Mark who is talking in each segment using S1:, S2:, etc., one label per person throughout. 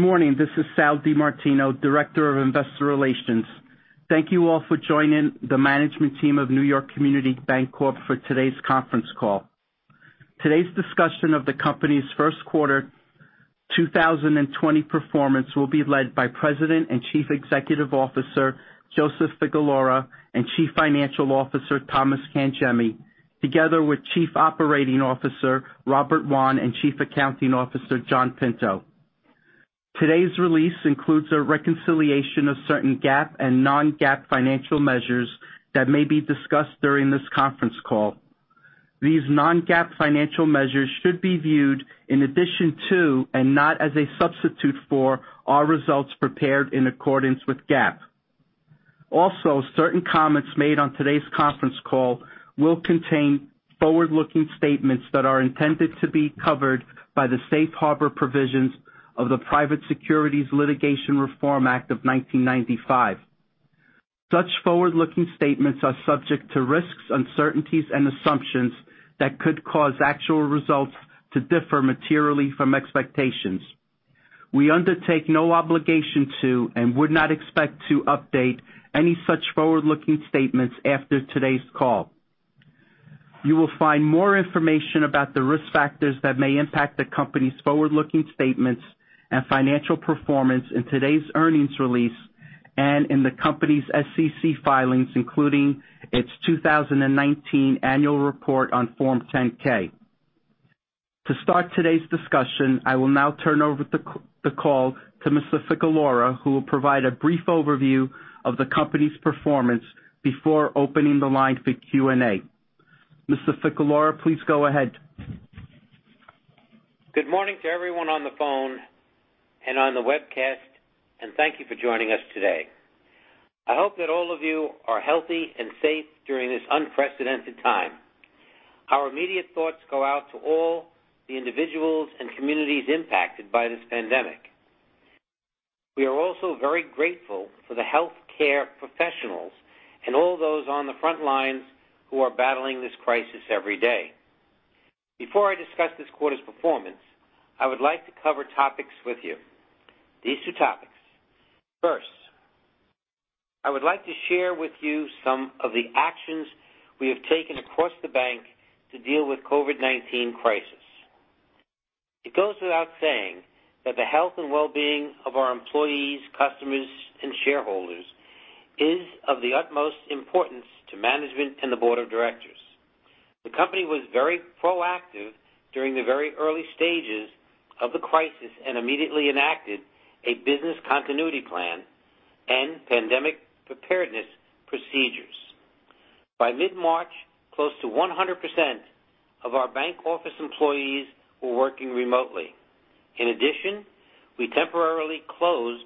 S1: Good morning. This is Sal DiMartino, Director of Investor Relations. Thank you all for joining the management team of New York Community Bancorp for today's conference call. Today's discussion of the company's first quarter 2020 performance will be led by President and Chief Executive Officer Joseph Ficalora and Chief Financial Officer Thomas Cangemi, together with Chief Operating Officer Robert Wann and Chief Accounting Officer John Pinto. Today's release includes a reconciliation of certain GAAP and non-GAAP financial measures that may be discussed during this conference call. These non-GAAP financial measures should be viewed in addition to, and not as a substitute for, our results prepared in accordance with GAAP. Also, certain comments made on today's conference call will contain forward-looking statements that are intended to be covered by the safe harbor provisions of the Private Securities Litigation Reform Act of 1995. Such forward-looking statements are subject to risks, uncertainties, and assumptions that could cause actual results to differ materially from expectations. We undertake no obligation to and would not expect to update any such forward-looking statements after today's call. You will find more information about the risk factors that may impact the company's forward-looking statements and financial performance in today's earnings release and in the company's SEC filings, including its 2019 annual report on Form 10-K. To start today's discussion, I will now turn over the call to Mr. Ficalora, who will provide a brief overview of the company's performance before opening the line for Q&A. Mr. Ficalora, please go ahead.
S2: Good morning to everyone on the phone and on the webcast, and thank you for joining us today. I hope that all of you are healthy and safe during this unprecedented time. Our immediate thoughts go out to all the individuals and communities impacted by this pandemic. We are also very grateful for the healthcare professionals and all those on the front lines who are battling this crisis every day. Before I discuss this quarter's performance, I would like to cover topics with you. These two topics. First, I would like to share with you some of the actions we have taken across the bank to deal with the COVID-19 crisis. It goes without saying that the health and well-being of our employees, customers, and shareholders is of the utmost importance to management and the board of directors. The company was very proactive during the very early stages of the crisis and immediately enacted a business continuity plan and pandemic preparedness procedures. By mid-March, close to 100% of our bank office employees were working remotely. In addition, we temporarily closed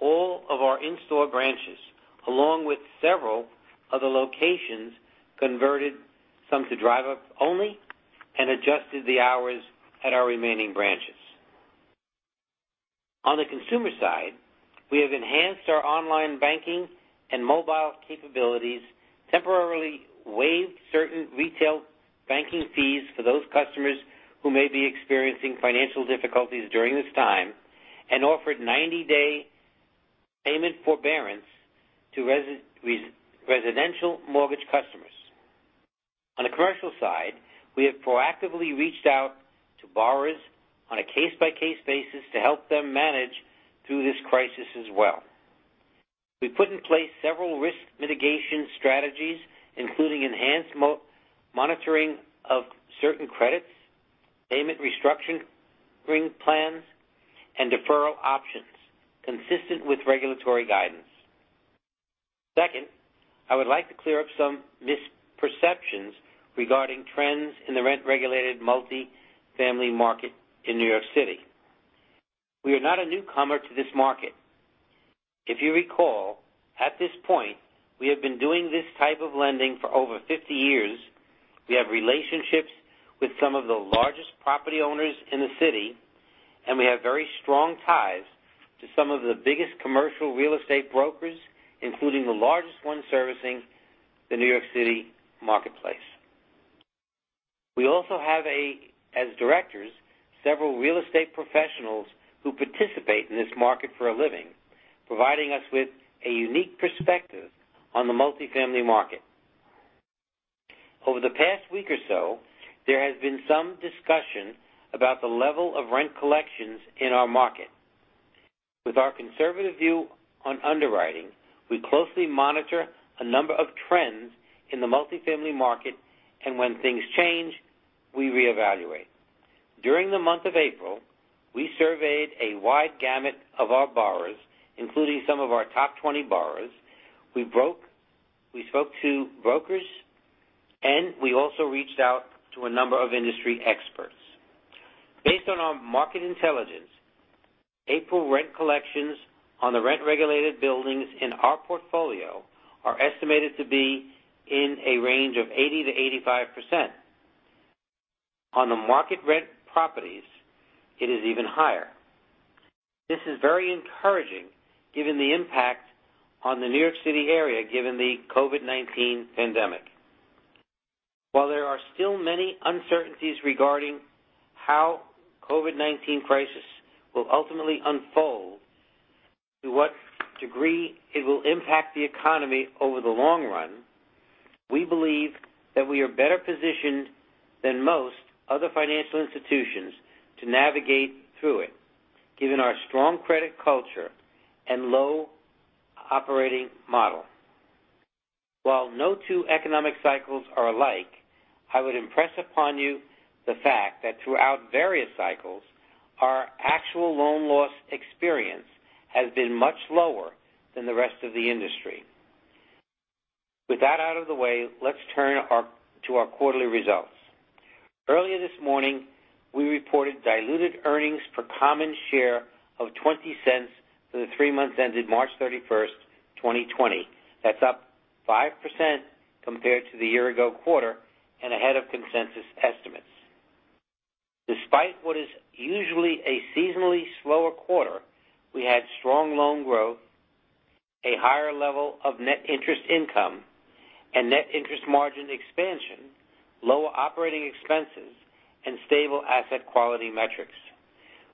S2: all of our in-store branches, along with several of the locations, converted some to drive-up only, and adjusted the hours at our remaining branches. On the consumer side, we have enhanced our online banking and mobile capabilities, temporarily waived certain retail banking fees for those customers who may be experiencing financial difficulties during this time, and offered 90-day payment forbearance to residential mortgage customers. On the commercial side, we have proactively reached out to borrowers on a case-by-case basis to help them manage through this crisis as well. We put in place several risk mitigation strategies, including enhanced monitoring of certain credits, payment restructuring plans, and deferral options, consistent with regulatory guidance. Second, I would like to clear up some misperceptions regarding trends in the rent-regulated multi-family market in New York City. We are not a newcomer to this market. If you recall, at this point, we have been doing this type of lending for over 50 years. We have relationships with some of the largest property owners in the city, and we have very strong ties to some of the biggest commercial real estate brokers, including the largest one servicing the New York City marketplace. We also have, as directors, several real estate professionals who participate in this market for a living, providing us with a unique perspective on the multi-family market. Over the past week or so, there has been some discussion about the level of rent collections in our market. With our conservative view on underwriting, we closely monitor a number of trends in the multi-family market, and when things change, we reevaluate. During the month of April, we surveyed a wide gamut of our borrowers, including some of our top 20 borrowers. We spoke to brokers, and we also reached out to a number of industry experts. Based on our market intelligence, April rent collections on the rent-regulated buildings in our portfolio are estimated to be in a range of 80%-85%. On the market rent properties, it is even higher. This is very encouraging given the impact on the New York City area, given the COVID-19 pandemic. While there are still many uncertainties regarding how the COVID-19 crisis will ultimately unfold, to what degree it will impact the economy over the long run, we believe that we are better positioned than most other financial institutions to navigate through it, given our strong credit culture and low operating model. While no two economic cycles are alike, I would impress upon you the fact that throughout various cycles, our actual loan loss experience has been much lower than the rest of the industry. With that out of the way, let's turn to our quarterly results. Earlier this morning, we reported diluted earnings per common share of $0.20 for the three months ended March 31st, 2020. That's up 5% compared to the year-ago quarter and ahead of consensus estimates. Despite what is usually a seasonally slower quarter, we had strong loan growth, a higher level of net interest income, and net interest margin expansion, lower operating expenses, and stable asset quality metrics.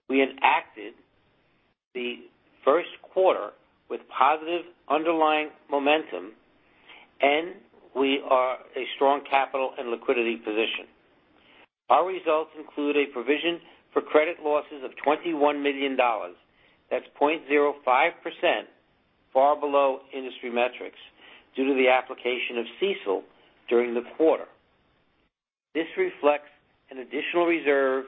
S2: We ended the first quarter with positive underlying momentum, and we are in a strong capital and liquidity position. Our results include a provision for credit losses of $21 million. That's 0.05%, far below industry metrics, due to the application of CECL during the quarter. This reflects an additional reserve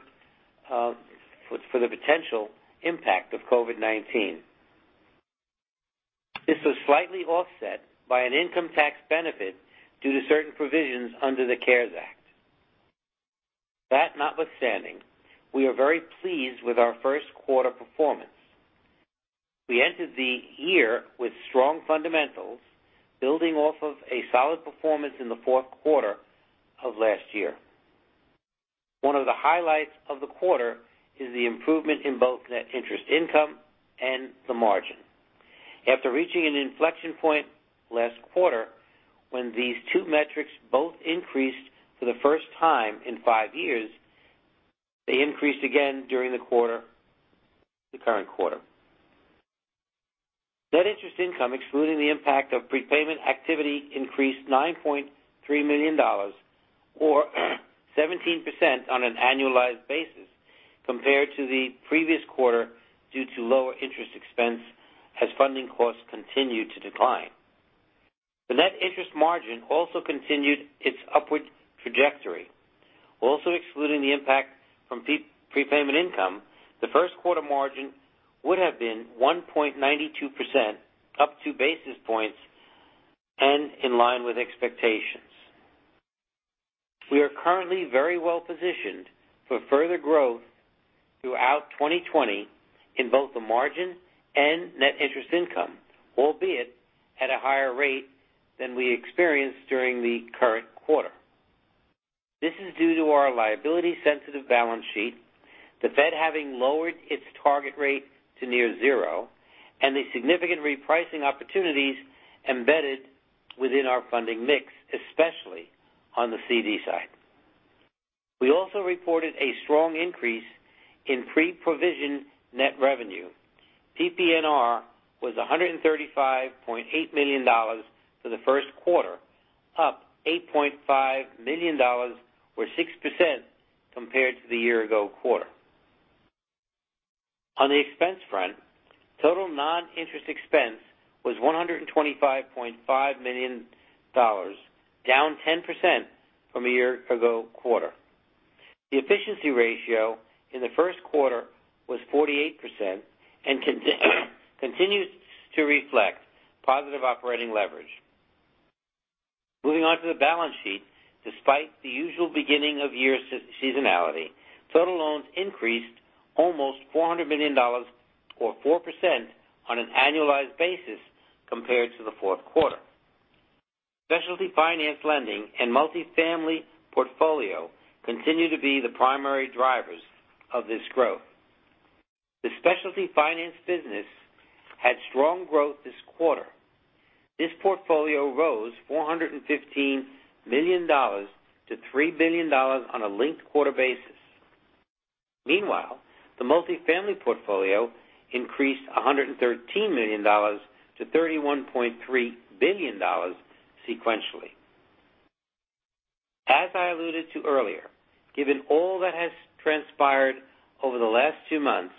S2: for the potential impact of COVID-19. This was slightly offset by an income tax benefit due to certain provisions under the CARES Act. That notwithstanding, we are very pleased with our first quarter performance. We entered the year with strong fundamentals, building off of a solid performance in the fourth quarter of last year. One of the highlights of the quarter is the improvement in both net interest income and the margin. After reaching an inflection point last quarter, when these two metrics both increased for the first time in five years, they increased again during the current quarter. Net interest income, excluding the impact of prepayment activity, increased $9.3 million, or 17% on an annualized basis, compared to the previous quarter due to lower interest expense as funding costs continued to decline. The net interest margin also continued its upward trajectory. Also, excluding the impact from prepayment income, the first quarter margin would have been 1.92%, up two basis points and in line with expectations. We are currently very well positioned for further growth throughout 2020 in both the margin and net interest income, albeit at a higher rate than we experienced during the current quarter. This is due to our liability-sensitive balance sheet, the Fed having lowered its target rate to near zero, and the significant repricing opportunities embedded within our funding mix, especially on the CD side. We also reported a strong increase in pre-provision net revenue. PPNR was $135.8 million for the first quarter, up $8.5 million, or 6%, compared to the year-ago quarter. On the expense front, total non-interest expense was $125.5 million, down 10% from a year-ago quarter. The efficiency ratio in the first quarter was 48% and continues to reflect positive operating leverage. Moving on to the balance sheet, despite the usual beginning of year seasonality, total loans increased almost $400 million, or 4%, on an annualized basis compared to the fourth quarter. Specialty finance lending and multi-family portfolio continue to be the primary drivers of this growth. The specialty finance business had strong growth this quarter. This portfolio rose $415 million to $3 billion on a linked quarter basis. Meanwhile, the multi-family portfolio increased $113 million to $31.3 billion sequentially. As I alluded to earlier, given all that has transpired over the last two months,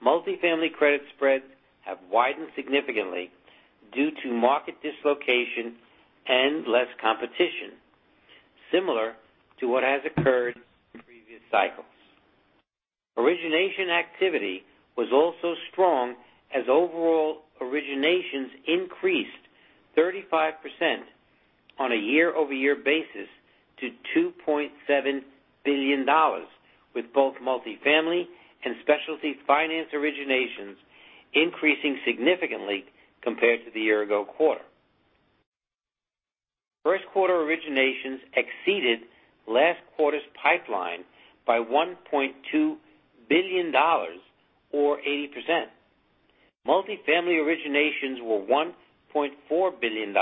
S2: multi-family credit spreads have widened significantly due to market dislocation and less competition, similar to what has occurred in previous cycles. Origination activity was also strong as overall originations increased 35% on a year-over-year basis to $2.7 billion, with both multi-family and specialty finance originations increasing significantly compared to the year-ago quarter. First quarter originations exceeded last quarter's pipeline by $1.2 billion, or 80%. Multi-family originations were $1.4 billion,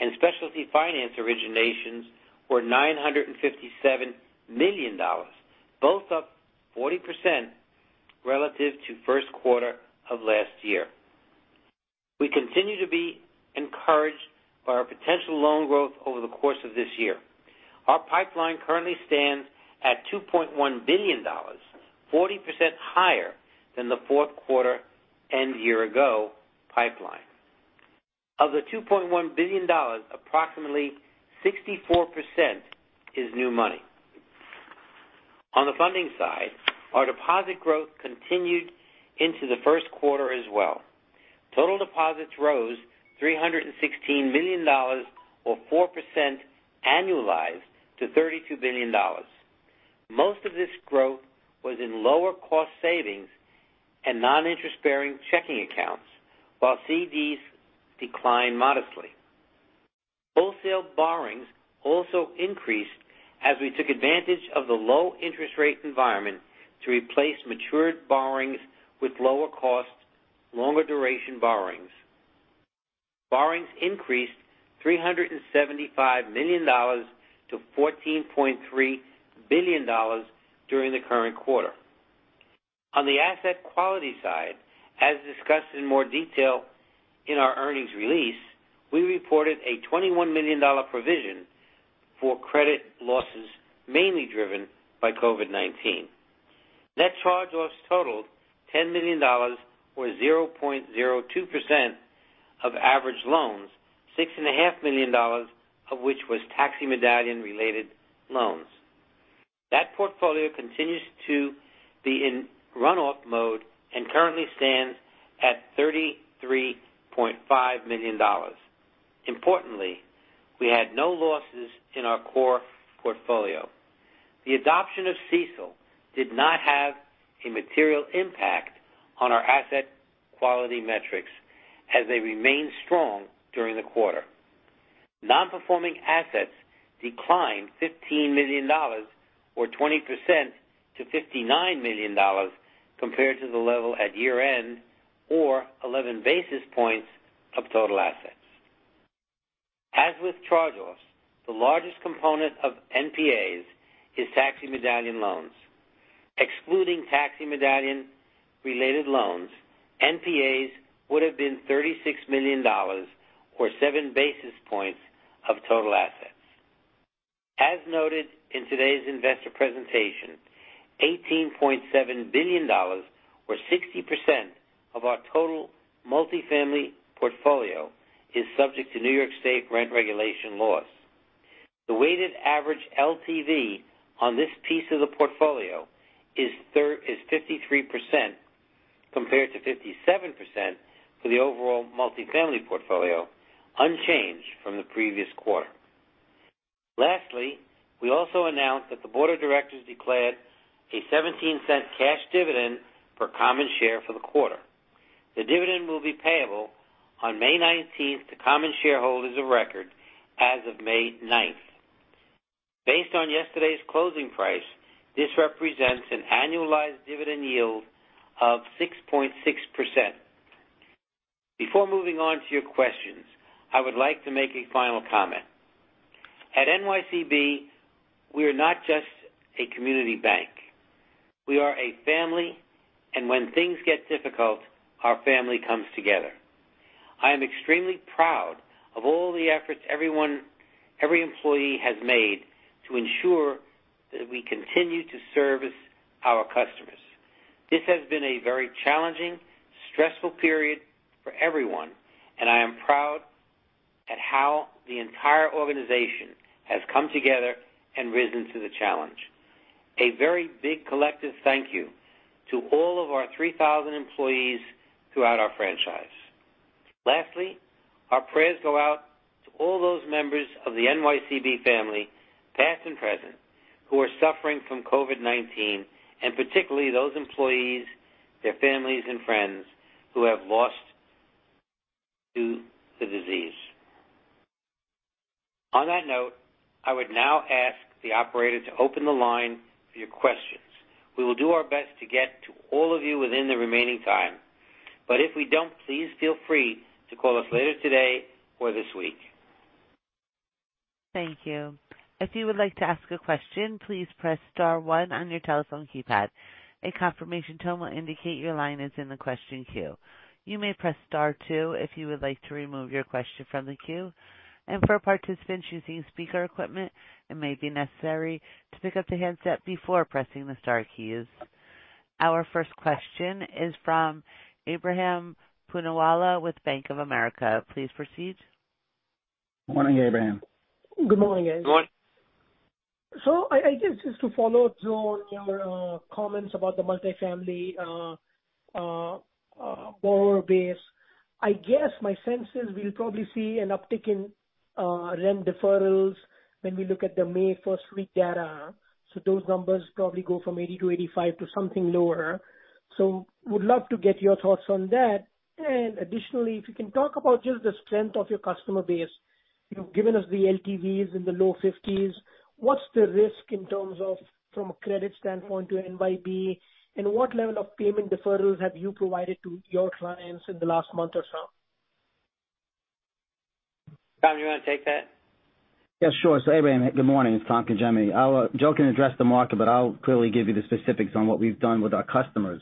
S2: and specialty finance originations were $957 million, both up 40% relative to first quarter of last year. We continue to be encouraged by our potential loan growth over the course of this year. Our pipeline currently stands at $2.1 billion, 40% higher than the fourth quarter and year-ago pipeline. Of the $2.1 billion, approximately 64% is new money. On the funding side, our deposit growth continued into the first quarter as well. Total deposits rose $316 million, or 4% annualized, to $32 billion. Most of this growth was in lower-cost savings and non-interest-bearing checking accounts, while CDs declined modestly. Wholesale borrowings also increased as we took advantage of the low-interest rate environment to replace matured borrowings with lower-cost, longer-duration borrowings. Borrowings increased $375 million to $14.3 billion during the current quarter. On the asset quality side, as discussed in more detail in our earnings release, we reported a $21 million provision for credit losses mainly driven by COVID-19. Net charge-offs totaled $10 million, or 0.02%, of average loans, $6.5 million of which was taxi-medallion-related loans. That portfolio continues to be in runoff mode and currently stands at $33.5 million. Importantly, we had no losses in our core portfolio. The adoption of CECL did not have a material impact on our asset quality metrics, as they remained strong during the quarter. Non-performing assets declined $15 million, or 20%, to $59 million compared to the level at year-end, or 11 basis points of total assets. As with charge-offs, the largest component of NPAs is taxi medallion loans. Excluding taxi-medallion-related loans, NPAs would have been $36 million, or 7 basis points of total assets. As noted in today's investor presentation, $18.7 billion, or 60%, of our total multi-family portfolio is subject to New York State rent regulation laws. The weighted average LTV on this piece of the portfolio is 53%, compared to 57% for the overall multi-family portfolio, unchanged from the previous quarter. Lastly, we also announced that the board of directors declared a $0.17 cash dividend per common share for the quarter. The dividend will be payable on May 19th to common shareholders of record as of May 9th. Based on yesterday's closing price, this represents an annualized dividend yield of 6.6%. Before moving on to your questions, I would like to make a final comment. At NYCB, we are not just a community bank. We are a family, and when things get difficult, our family comes together. I am extremely proud of all the efforts every employee has made to ensure that we continue to service our customers. This has been a very challenging, stressful period for everyone, and I am proud at how the entire organization has come together and risen to the challenge. A very big collective thank you to all of our 3,000 employees throughout our franchise. Lastly, our prayers go out to all those members of the NYCB family, past and present, who are suffering from COVID-19, and particularly those employees, their families, and friends who have lost to the disease. On that note, I would now ask the operator to open the line for your questions. We will do our best to get to all of you within the remaining time, but if we don't, please feel free to call us later today or this week.
S3: Thank you. If you would like to ask a question, please press Star 1 on your telephone keypad. A confirmation tone will indicate your line is in the question queue. You may press Star 2 if you would like to remove your question from the queue. And for participants using speaker equipment, it may be necessary to pick up the headset before pressing the Star keys. Our first question is from Ebrahim Poonawalla with Bank of America. Please proceed.
S2: Good morning, Ebrahim.
S4: Good morning. So I guess just to follow through on your comments about the multi-family borrower base, I guess my sense is we'll probably see an uptick in rent deferrals when we look at the May first-week data. So those numbers probably go from 80 to 85 to something lower. So would love to get your thoughts on that. And additionally, if you can talk about just the strength of your customer base. You've given us the LTVs in the low 50s. What's the risk in terms of, from a credit standpoint, to NYCB? And what level of payment deferrals have you provided to your clients in the last month or so? Tom, do you want to take that?
S5: Yeah, sure. So Ebrahim, good morning. It's Tom Cangemi. I'll joke and address the market, but I'll clearly give you the specifics on what we've done with our customers.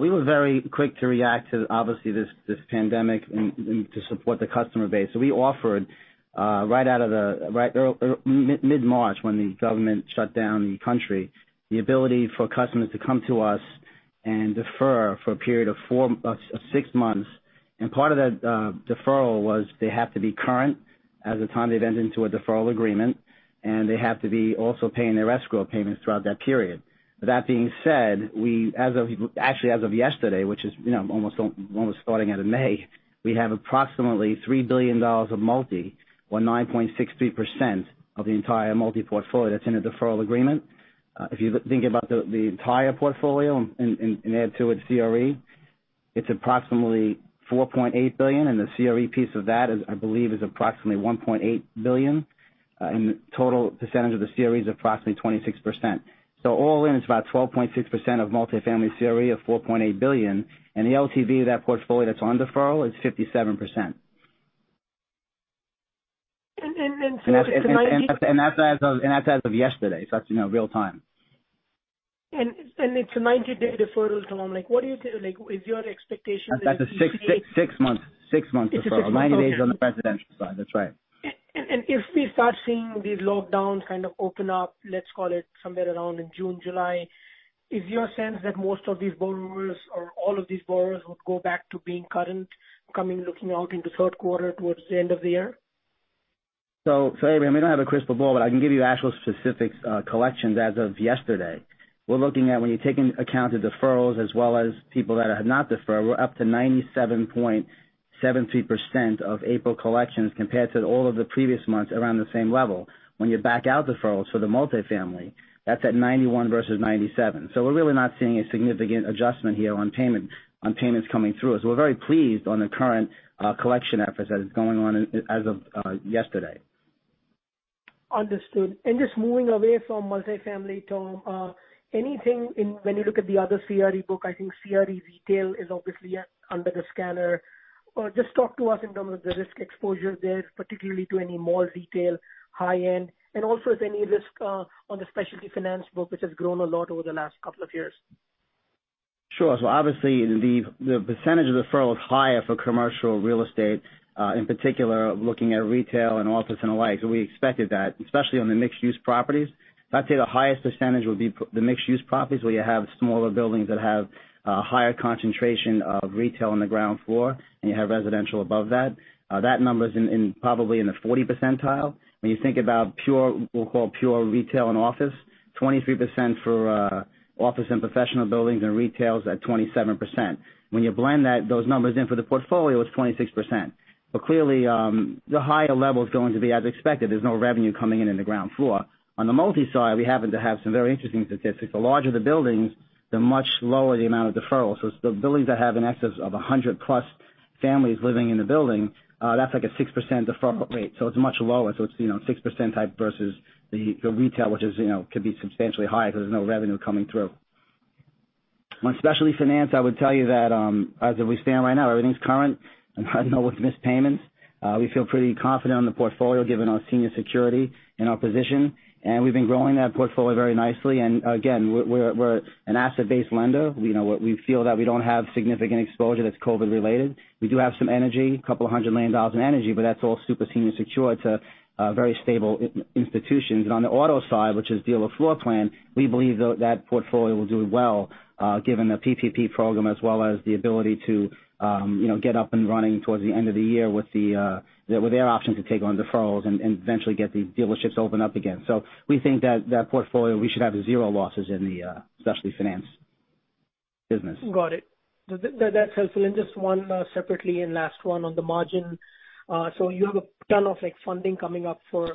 S5: We were very quick to react to, obviously, this pandemic and to support the customer base. So we offered, right out of the mid-March, when the government shut down the country, the ability for customers to come to us and defer for a period of six months. And part of that deferral was they have to be current at the time they've entered into a deferral agreement, and they have to be also paying their escrow payments throughout that period. That being said, actually, as of yesterday, which is almost starting out of May, we have approximately $3 billion of multi, or 9.63%, of the entire multi-portfolio that's in a deferral agreement. If you think about the entire portfolio and add to it CRE, it's approximately $4.8 billion, and the CRE piece of that, I believe, is approximately $1.8 billion. And the total percentage of the CRE is approximately 26%. So all in, it's about 12.6% of multi-family CRE of $4.8 billion, and the LTV of that portfolio that's on deferral is 57%. And that's as of yesterday. So that's real time.
S4: And it's a 90-day deferral term. What do you think? Is your expectation that it's going to be?
S5: That's a six-month deferral, 90 days on the residential side. That's right.
S4: And if we start seeing these lockdowns kind of open up, let's call it somewhere around in June, July, is your sense that most of these borrowers, or all of these borrowers, would go back to being current, coming, looking out into third quarter towards the end of the year?
S5: So Ebrahim, we don't have a crystal ball, but I can give you actual specific collections as of yesterday. We're looking at, when you take into account the deferrals as well as people that have not deferred, we're up to 97.73% of April collections compared to all of the previous months around the same level. When you back out deferrals for the multi-family, that's at 91% versus 97%. So we're really not seeing a significant adjustment here on payments coming through. So we're very pleased on the current collection efforts that are going on as of yesterday.
S4: Understood.Just moving away from multi-family, Tom, anything when you look at the other CRE book? I think CRE retail is obviously under the scanner. Just talk to us in terms of the risk exposure there, particularly to any mall retail, high-end, and also if any risk on the specialty finance book, which has grown a lot over the last couple of years.
S5: Sure. So obviously, the percentage of deferral is higher for commercial real estate, in particular looking at retail and office and the like. So we expected that, especially on the mixed-use properties. I'd say the highest percentage would be the mixed-use properties where you have smaller buildings that have a higher concentration of retail on the ground floor, and you have residential above that. That number is probably in the 40%. When you think about pure, we'll call it pure retail and office, 23% for office and professional buildings and retail is at 27%. When you blend those numbers in for the portfolio, it's 26%, but clearly, the higher level is going to be as expected. There's no revenue coming in in the ground floor. On the multi-side, we happen to have some very interesting statistics. The larger the buildings, the much lower the amount of deferrals, so the buildings that have an excess of 100-plus families living in the building, that's like a 6% deferral rate, so it's much lower, so it's 6% type versus the retail, which could be substantially higher because there's no revenue coming through. On specialty finance, I would tell you that as of where we stand right now, everything's current. No one's missed payments. We feel pretty confident on the portfolio given our senior security and our position, and we've been growing that portfolio very nicely, and again, we're an asset-based lender. We feel that we don't have significant exposure that's COVID-related. We do have some energy, $200 million in energy, but that's all super senior secured to very stable institutions, and on the auto side, which is dealer floor plan, we believe that portfolio will do well given the PPP program as well as the ability to get up and running towards the end of the year with their option to take on deferrals and eventually get the dealerships open up again. So we think that that portfolio, we should have zero losses in the specialty finance business.
S4: Got it. That's helpful, and just one separately and last one on the margin. So you have a ton of funding coming up for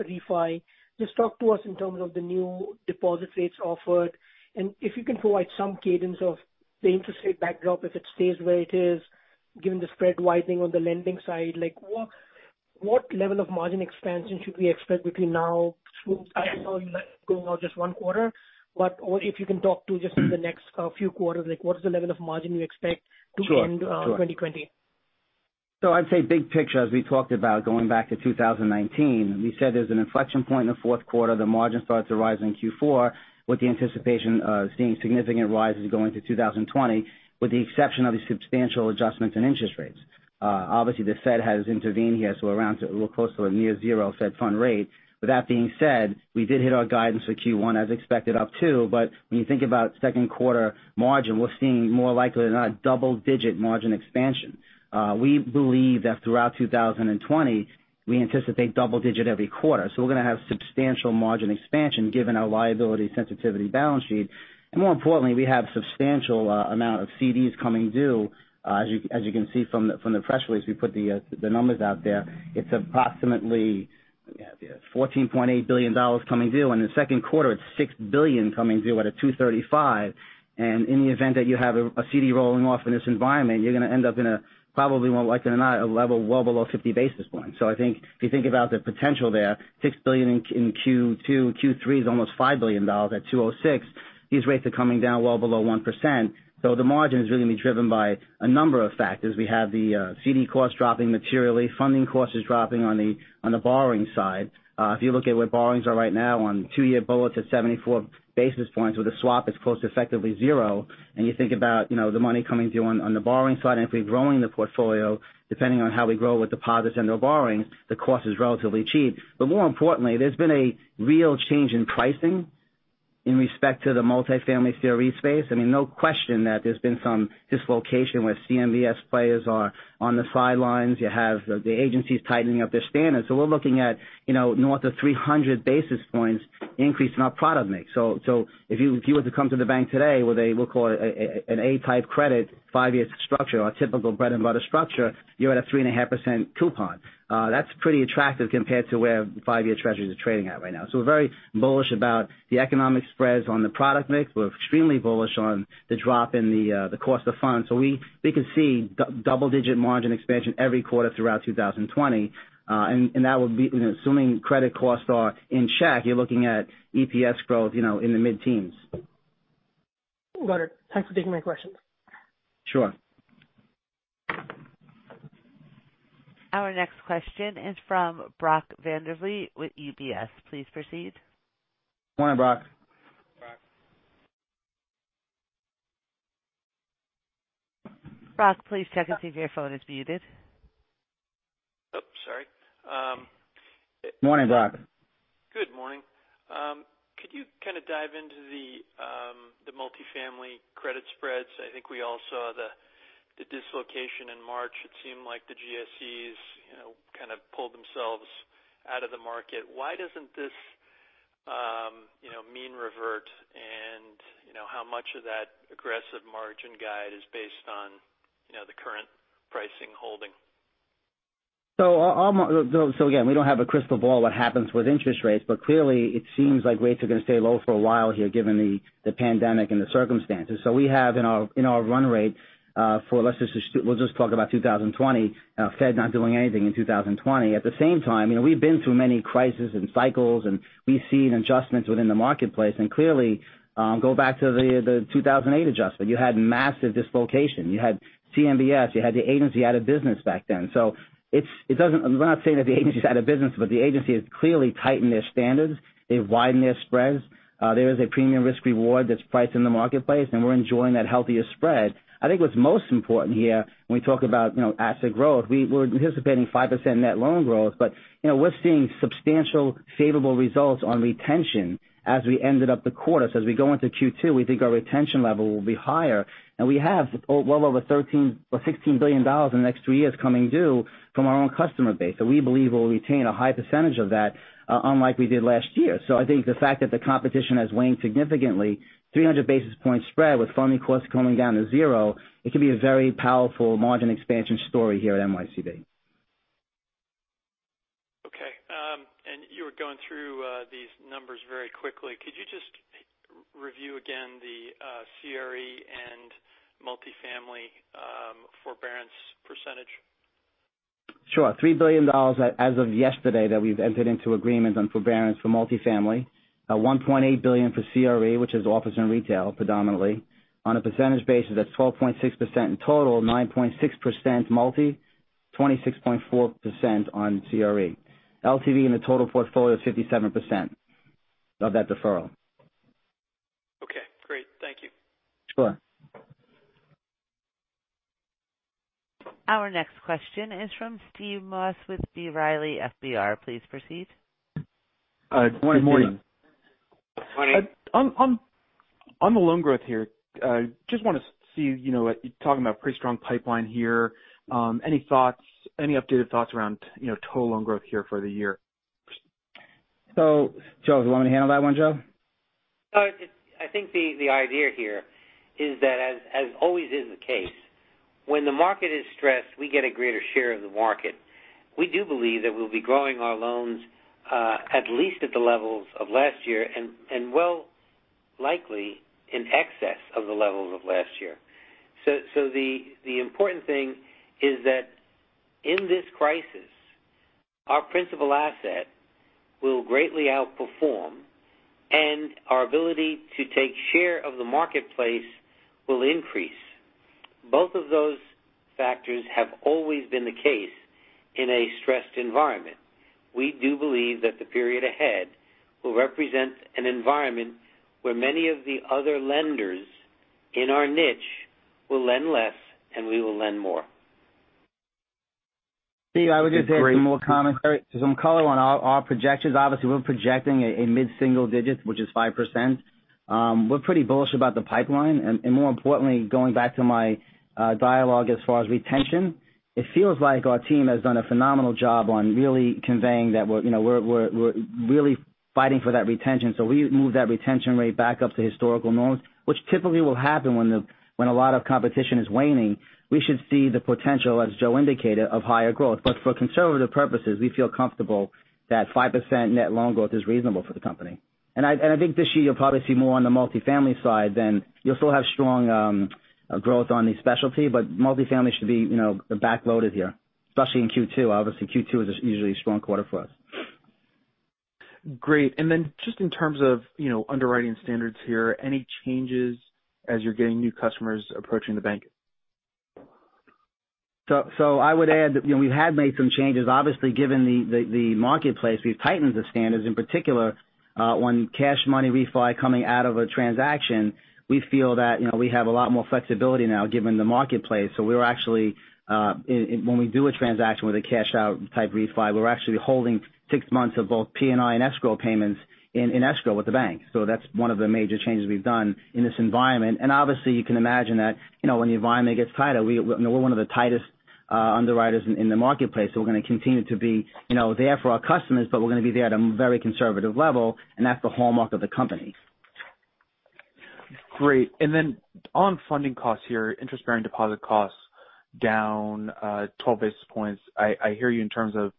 S4: refi. Just talk to us in terms of the new deposit rates offered. And if you can provide some cadence of the interest rate backdrop, if it stays where it is, given the spread widening on the lending side, what level of margin expansion should we expect between now? I know you're going out just one quarter, but if you can talk to just the next few quarters, what is the level of margin you expect to end 2020?
S5: So I'd say big picture, as we talked about going back to 2019, we said there's an inflection point in the fourth quarter. The margin starts to rise in Q4 with the anticipation of seeing significant rises going to 2020, with the exception of the substantial adjustments in interest rates. Obviously, the Fed has intervened here, so we're close to a near-zero Fed fund rate. With that being said, we did hit our guidance for Q1 as expected up to, but when you think about second quarter margin, we're seeing more likely than not double-digit margin expansion. We believe that throughout 2020, we anticipate double-digit every quarter. So we're going to have substantial margin expansion given our liability sensitivity balance sheet. And more importantly, we have a substantial amount of CDs coming due. As you can see from the press release, we put the numbers out there. It's approximately $14.8 billion coming due. And in the second quarter, it's $6 billion coming due at a 235. And in the event that you have a CD rolling off in this environment, you're going to end up in a probably more likely than not a level well below 50 basis points. So I think if you think about the potential there, $6 billion in Q2, Q3 is almost $5 billion at 206. These rates are coming down well below 1%. So the margin is really going to be driven by a number of factors. We have the CD costs dropping materially. Funding costs are dropping on the borrowing side. If you look at where borrowings are right now on two-year bullets at 74 basis points, with the swap is close to effectively zero. And you think about the money coming through on the borrowing side, and if we're growing the portfolio, depending on how we grow with deposits and our borrowings, the cost is relatively cheap. But more importantly, there's been a real change in pricing in respect to the multi-family CRE space. I mean, no question that there's been some dislocation where CMBS players are on the sidelines. You have the agencies tightening up their standards. So we're looking at north of 300 basis points increase in our product mix. So if you were to come to the bank today with a, we'll call it an A-type credit, five-year structure, our typical bread and butter structure, you're at a 3.5% coupon. That's pretty attractive compared to where five-year Treasuries are trading at right now. So we're very bullish about the economic spreads on the product mix. We're extremely bullish on the drop in the cost of funds. So we can see double-digit margin expansion every quarter throughout 2020. And that would be assuming credit costs are in check, you're looking at EPS growth in the mid-teens.
S4: Got it. Thanks for taking my questions.
S5: Sure.
S3: Our next question is from Brock Vandervliet with UBS. Please proceed.
S2: Morning, Brock.
S3: Brock, please check and see if your phone is muted.
S6: Oh, sorry.
S2: Morning, Brock.
S6: Good morning. Could you kind of dive into the multi-family credit spreads? I think we all saw the dislocation in March. It seemed like the GSEs kind of pulled themselves out of the market. Why doesn't this mean revert? And how much of that aggressive margin guide is based on the current pricing holding?
S5: So again, we don't have a crystal ball what happens with interest rates, but clearly, it seems like rates are going to stay low for a while here given the pandemic and the circumstances. So we have in our run rate for, let's just talk about 2020, Fed not doing anything in 2020. At the same time, we've been through many crises and cycles, and we've seen adjustments within the marketplace, and clearly, go back to the 2008 adjustment. You had massive dislocation. You had CMBS. You had the agency out of business back then. So we're not saying that the agency is out of business, but the agency has clearly tightened their standards. They've widened their spreads. There is a premium risk-reward that's priced in the marketplace, and we're enjoying that healthier spread. I think what's most important here, when we talk about asset growth, we're anticipating 5% net loan growth, but we're seeing substantial favorable results on retention as we ended up the quarter. So as we go into Q2, we think our retention level will be higher. And we have well over $13 or $16 billion in the next three years coming due from our own customer base. So we believe we'll retain a high percentage of that, unlike we did last year. So I think the fact that the competition has waned significantly, 300 basis points spread with funding costs coming down to zero, it could be a very powerful margin expansion story here at NYCB. Okay. And you were going through these numbers very quickly. Could you just review again the CRE and multi-family forbearance percentage? Sure. $3 billion as of yesterday that we've entered into agreements on forbearance for multi-family. $1.8 billion for CRE, which is office and retail predominantly. On a percentage basis, that's 12.6% in total, 9.6% multi, 26.4% on CRE. LTV in the total portfolio is 57% of that deferral.
S6: Okay. Great. Thank you.
S5: Sure.
S3: Our next question is from Steve Moss with B. Riley FBR. Please proceed.
S5: Good morning.
S7: Good morning. On the loan growth here, just want to see you talking about a pretty strong pipeline here. Any thoughts, any updated thoughts around total loan growth here for the year?
S5: So Joe, do you want me to handle that one, Joe?
S2: I think the idea here is that, as always is the case, when the market is stressed, we get a greater share of the market. We do believe that we'll be growing our loans at least at the levels of last year and we'll likely in excess of the levels of last year. So the important thing is that in this crisis, our principal asset will greatly outperform, and our ability to take share of the marketplace will increase. Both of those factors have always been the case in a stressed environment. We do believe that the period ahead will represent an environment where many of the other lenders in our niche will lend less, and we will lend more.
S5: Steve, I would just add some more comments. So if I'm calling on our projections, obviously, we're projecting a mid-single digit, which is 5%. We're pretty bullish about the pipeline. And more importantly, going back to my dialogue as far as retention, it feels like our team has done a phenomenal job on really conveying that we're really fighting for that retention. So we move that retention rate back up to historical norms, which typically will happen when a lot of competition is waning. We should see the potential, as Joe indicated, of higher growth. But for conservative purposes, we feel comfortable that 5% net loan growth is reasonable for the company. And I think this year you'll probably see more on the multi-family side than you'll still have strong growth on the specialty, but multi-family should be backloaded here, especially in Q2. Obviously, Q2 is usually a strong quarter for us.
S7: Great. And then just in terms of underwriting standards here, any changes as you're getting new customers approaching the bank?
S5: So I would add that we've had made some changes. Obviously, given the marketplace, we've tightened the standards. In particular, on cash-out refi coming out of a transaction, we feel that we have a lot more flexibility now given the marketplace. So we were actually, when we do a transaction with a cash-out type refi, we're actually holding six months of both P&I and escrow payments in escrow with the bank. So that's one of the major changes we've done in this environment. And obviously, you can imagine that when the environment gets tighter, we're one of the tightest underwriters in the marketplace. So we're going to continue to be there for our customers, but we're going to be there at a very conservative level, and that's the hallmark of the company. Great. And then on funding costs here, interest-bearing deposit costs down 12 basis points. I hear you in terms of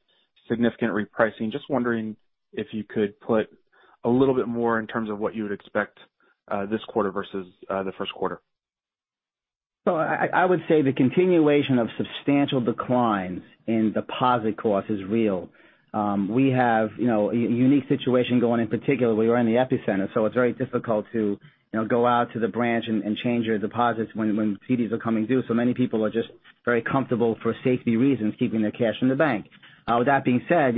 S5: significant repricing. Just wondering if you could put a little bit more in terms of what you would expect this quarter versus the first quarter. So I would say the continuation of substantial declines in deposit costs is real. We have a unique situation going in particular. We were in the epicenter, so it's very difficult to go out to the branch and change your deposits when CDs are coming due. So many people are just very comfortable for safety reasons keeping their cash in the bank. That being said,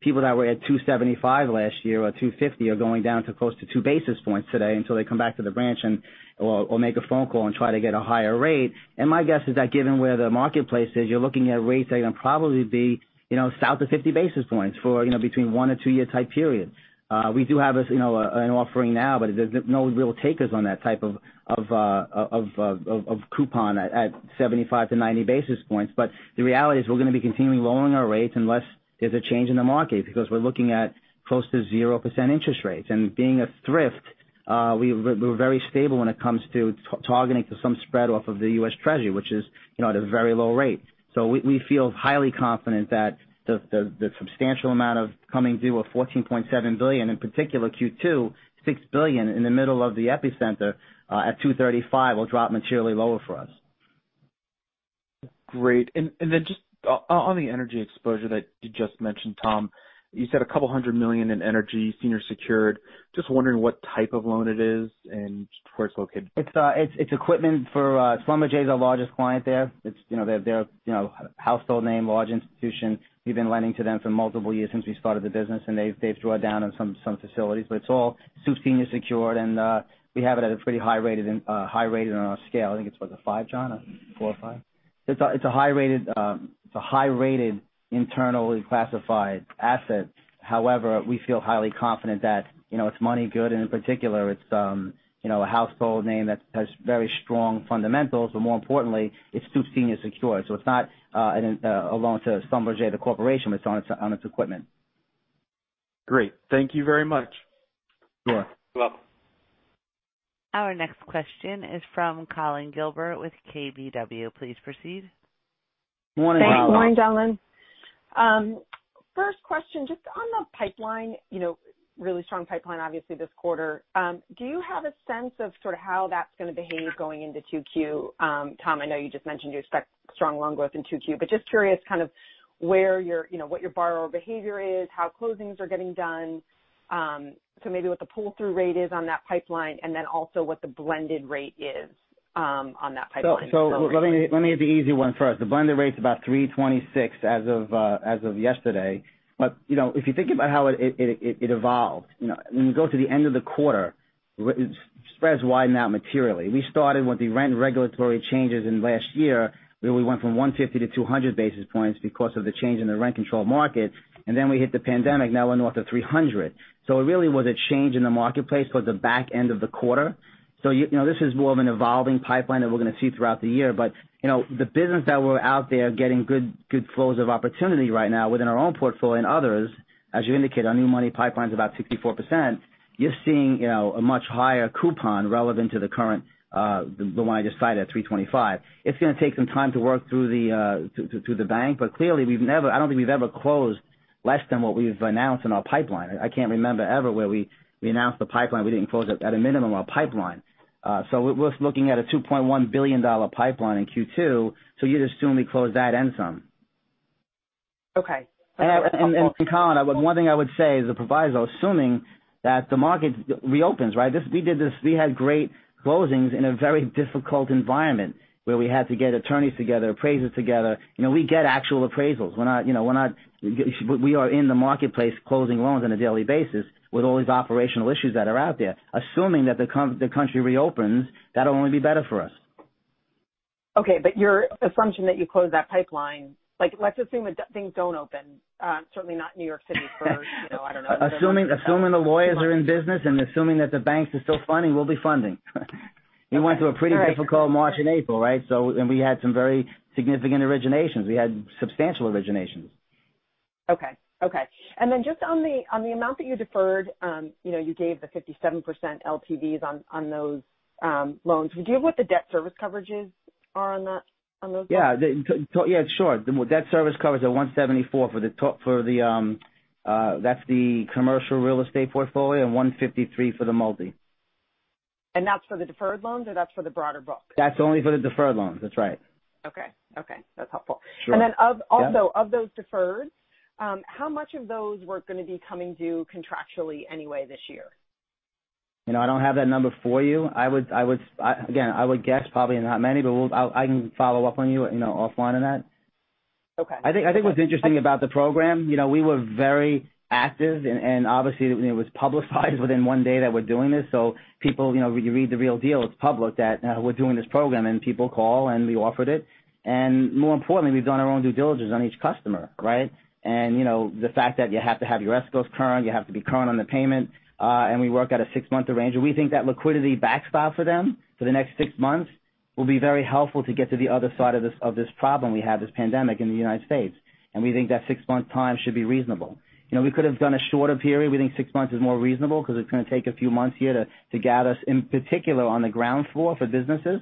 S5: people that were at 275 last year or 250 are going down to close to two basis points today until they come back to the branch or make a phone call and try to get a higher rate, and my guess is that given where the marketplace is, you're looking at rates that are going to probably be south of 50 basis points for between one and two-year type period. We do have an offering now, but there's no real takers on that type of coupon at 75 to 90 basis points, but the reality is we're going to be continuing lowering our rates unless there's a change in the market because we're looking at close to 0% interest rates, and being a thrift, we're very stable when it comes to targeting to some spread off of the U.S. Treasury, which is at a very low rate. So we feel highly confident that the substantial amount of coming due of $14.7 billion, in particular Q2, $6 billion in the middle of the epicenter at 23.5 will drop materially lower for us.
S7: Great. And then just on the energy exposure that you just mentioned, Tom, you said a couple hundred million in energy senior secured. Just wondering what type of loan it is and where it's located.
S5: It's equipment for Schlumberger, our largest client there. They're a household name, large institution. We've been lending to them for multiple years since we started the business, and they've drawn down on some facilities. But it's all supersenior secured, and we have it at a pretty high-rated on our scale. I think it's what, a five, John? A four or five? It's a high-rated internally classified asset. However, we feel highly confident that it's money good. And in particular, it's a household name that has very strong fundamentals. But more importantly, it's supersenior secured. So it's not a loan to Schlumberger, the corporation, but it's on its equipment.
S7: Great. Thank you very much.
S5: Sure. You're welcome.
S3: Our next question is from Collyn Gilbert with KBW. Please proceed.
S8: Morning, Rob.
S5: Hey. Morning, Collyn.
S8: First question, just on the pipeline, really strong pipeline, obviously, this quarter. Do you have a sense of sort of how that's going to behave going into Q2? Tom, I know you just mentioned you expect strong loan growth in Q2, but just curious kind of where your borrower behavior is, how closings are getting done, so maybe what the pull-through rate is on that pipeline, and then also what the blended rate is on that pipeline.
S5: So let me hit the easy one first. The blended rate's about 326 as of yesterday. But if you think about how it evolved, when you go to the end of the quarter, spreads widened out materially. We started with the rent regulatory changes in last year, where we went from 150 to 200 basis points because of the change in the rent control market. And then we hit the pandemic. Now we're north of 300. So it really was a change in the marketplace towards the back end of the quarter. So this is more of an evolving pipeline that we're going to see throughout the year. But the business that we're out there getting good flows of opportunity right now within our own portfolio and others, as you indicate, our new money pipeline's about 64%. You're seeing a much higher coupon relevant to the current one I just cited at 325. It's going to take some time to work through the bank, but clearly, I don't think we've ever closed less than what we've announced in our pipeline. I can't remember ever where we announced the pipeline. We didn't close at a minimum our pipeline. So we're looking at a $2.1 billion pipeline in Q2. So you'd assume we closed that and some. Okay. Collyn, one thing I would say is the proviso, assuming that the market reopens, right? We had great closings in a very difficult environment where we had to get attorneys together, appraisers together. We get actual appraisals. We are in the marketplace closing loans on a daily basis with all these operational issues that are out there. Assuming that the country reopens, that'll only be better for us.
S8: Okay.But your assumption that you close that pipeline, let's assume that things don't open, certainly not New York City for, I don't know.
S5: Assuming the lawyers are in business and assuming that the banks are still funding, we'll be funding. We went through a pretty difficult March and April, right? And we had some very significant originations. We had substantial originations.
S8: Okay. Okay. And then just on the amount that you deferred, you gave the 57% LTVs on those loans. Do you have what the debt service coverages are on those?
S5: Yeah. Yeah. Sure. The debt service covers are 174 for the, that's the commercial real estate portfolio and 153 for the multi-family. And that's for the deferred loans or that's for the broader book? That's only for the deferred loans. That's right.
S8: Okay. Okay. That's helpful. And then also, of those deferred, how much of those were going to be coming due contractually anyway this year?
S5: I don't have that number for you. Again, I would guess probably not many, but I can follow up with you offline on that. I think what's interesting about the program. We were very active, and obviously, it was publicized within one day that we're doing this. So you read The Real Deal. It's public that we're doing this program, and people call, and we offered it. And more importantly, we've done our own due diligence on each customer, right? And the fact that you have to have your escrows current, you have to be current on the payment, and we work with a six-month arrangement. We think that liquidity backstop for them for the next six months will be very helpful to get to the other side of this problem we have, this pandemic in the United States. And we think that six-month time should be reasonable. We could have done a shorter period. We think six months is more reasonable because it's going to take a few months here to gather us, in particular, on the ground floor for businesses.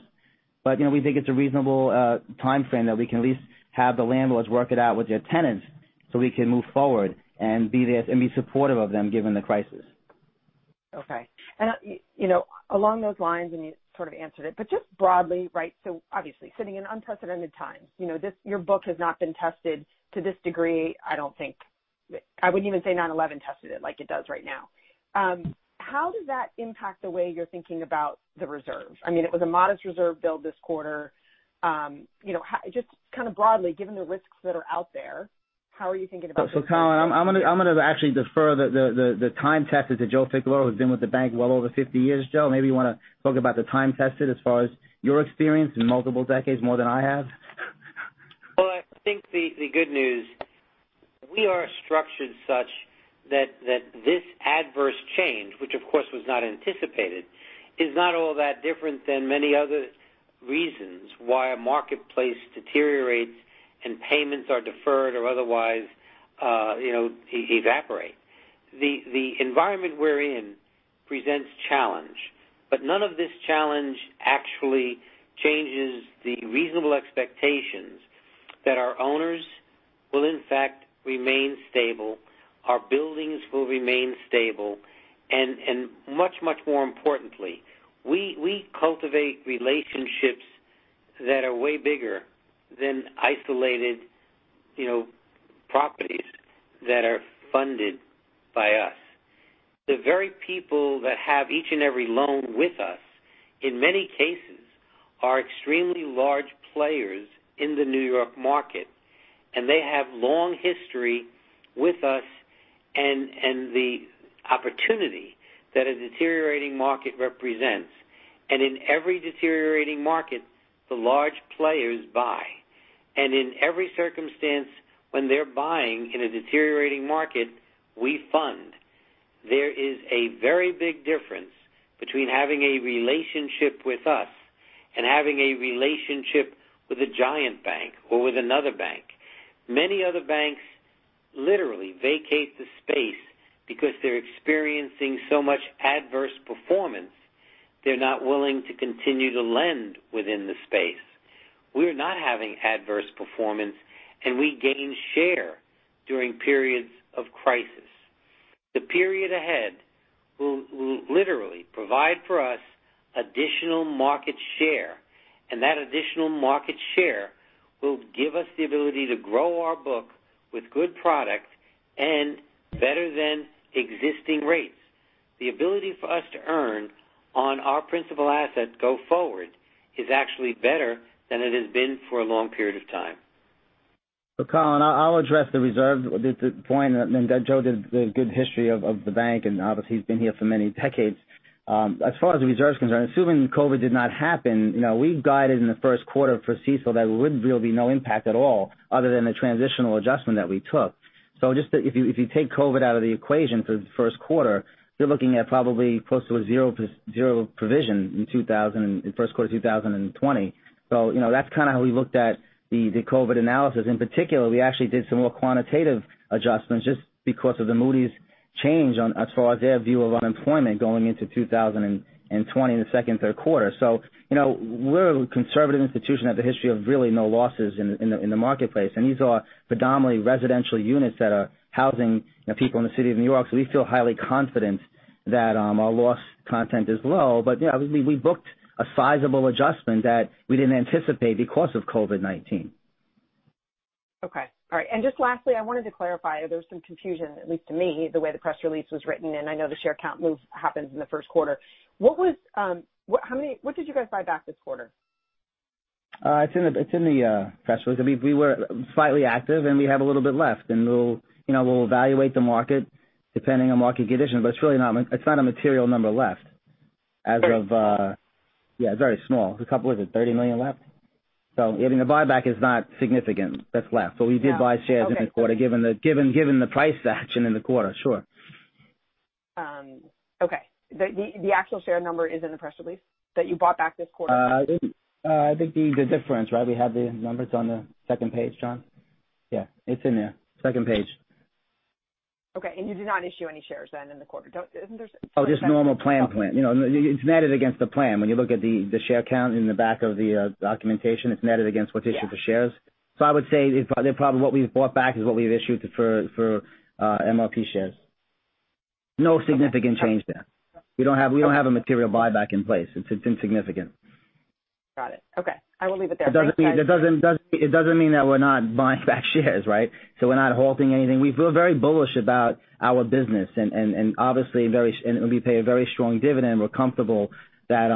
S5: But we think it's a reasonable timeframe that we can at least have the landlords work it out with their tenants so we can move forward and be supportive of them given the crisis.
S8: Okay. And along those lines, and you sort of answered it, but just broadly, right? So obviously, sitting in unprecedented times, your book has not been tested to this degree. I wouldn't even say 9/11 tested it like it does right now. How does that impact the way you're thinking about the reserves? I mean, it was a modest reserve bill this quarter. Just kind of broadly, given the risks that are out there, how are you thinking about the reserves?
S5: So Collyn, I'm going to actually defer the time tested to Joe Ficalora, who's been with the bank well over 50 years. Joe, maybe you want to talk about the time tested as far as your experience in multiple decades, more than I have. Well, I think the good news, we are structured such that this adverse change, which of course was not anticipated, is not all that different than many other reasons why a marketplace deteriorates and payments are deferred or otherwise evaporate. The environment we're in presents challenges, but none of these challenges actually changes the reasonable expectations that our owners will, in fact, remain stable, our buildings will remain stable, and much, much more importantly, we cultivate relationships that are way bigger than isolated properties that are funded by us. The very people that have each and every loan with us, in many cases, are extremely large players in the New York market, and they have a long history with us and the opportunity that a deteriorating market represents, and in every deteriorating market, the large players buy, and in every circumstance, when they're buying in a deteriorating market, we fund. There is a very big difference between having a relationship with us and having a relationship with a giant bank or with another bank. Many other banks literally vacate the space because they're experiencing so much adverse performance, they're not willing to continue to lend within the space. We're not having adverse performance, and we gain share during periods of crisis. The period ahead will literally provide for us additional market share, and that additional market share will give us the ability to grow our book with good product and better than existing rates. The ability for us to earn on our principal asset go forward is actually better than it has been for a long period of time. Collyn, I'll address the reserves at this point, and then Joe did a good history of the bank, and obviously, he's been here for many decades. As far as the reserves are concerned, assuming COVID did not happen, we guided in the first quarter for CECL that there would really be no impact at all other than the transitional adjustment that we took. So just if you take COVID out of the equation for the first quarter, you're looking at probably close to a zero provision in the first quarter of 2020. So that's kind of how we looked at the COVID analysis. In particular, we actually did some more quantitative adjustments just because of the Moody's change as far as their view of unemployment going into 2020 in the second and third quarter. So we're a conservative institution that has a history of really no losses in the marketplace, and these are predominantly residential units that are housing people in the city of New York. So we feel highly confident that our loss content is low. But yeah, we booked a sizable adjustment that we didn't anticipate because of COVID-19. Okay. All right. And just lastly, I wanted to clarify, there was some confusion, at least to me, the way the press release was written, and I know the share count move happens in the first quarter. What did you guys buy back this quarter? It's in the press release. I mean, we were slightly active, and we have a little bit left. And we'll evaluate the market depending on market conditions, but it's not a material number left as of. Yeah, it's very small. A couple of what is it? $30 million left? So I mean, the buyback is not significant that's left. But we did buy shares in the quarter given the price action in the quarter, sure.
S8: Okay.The actual share number is in the press release that you bought back this quarter?
S2: I think the difference, right? We have the numbers on the second page, Tom?
S5: Yeah. It's in there. Second page.
S8: Okay. And you did not issue any shares then in the quarter, isn't there?
S2: Oh, just normal plan. It's netted against the plan. When you look at the share count in the back of the documentation, it's netted against what's issued for shares. So I would say probably what we've bought back is what we've issued for MRP shares. No significant change there. We don't have a material buyback in place. It's insignificant. Got it. Okay. I will leave it there. It doesn't mean that we're not buying back shares, right? So we're not halting anything. We feel very bullish about our business, and obviously, we pay a very strong dividend. We're comfortable that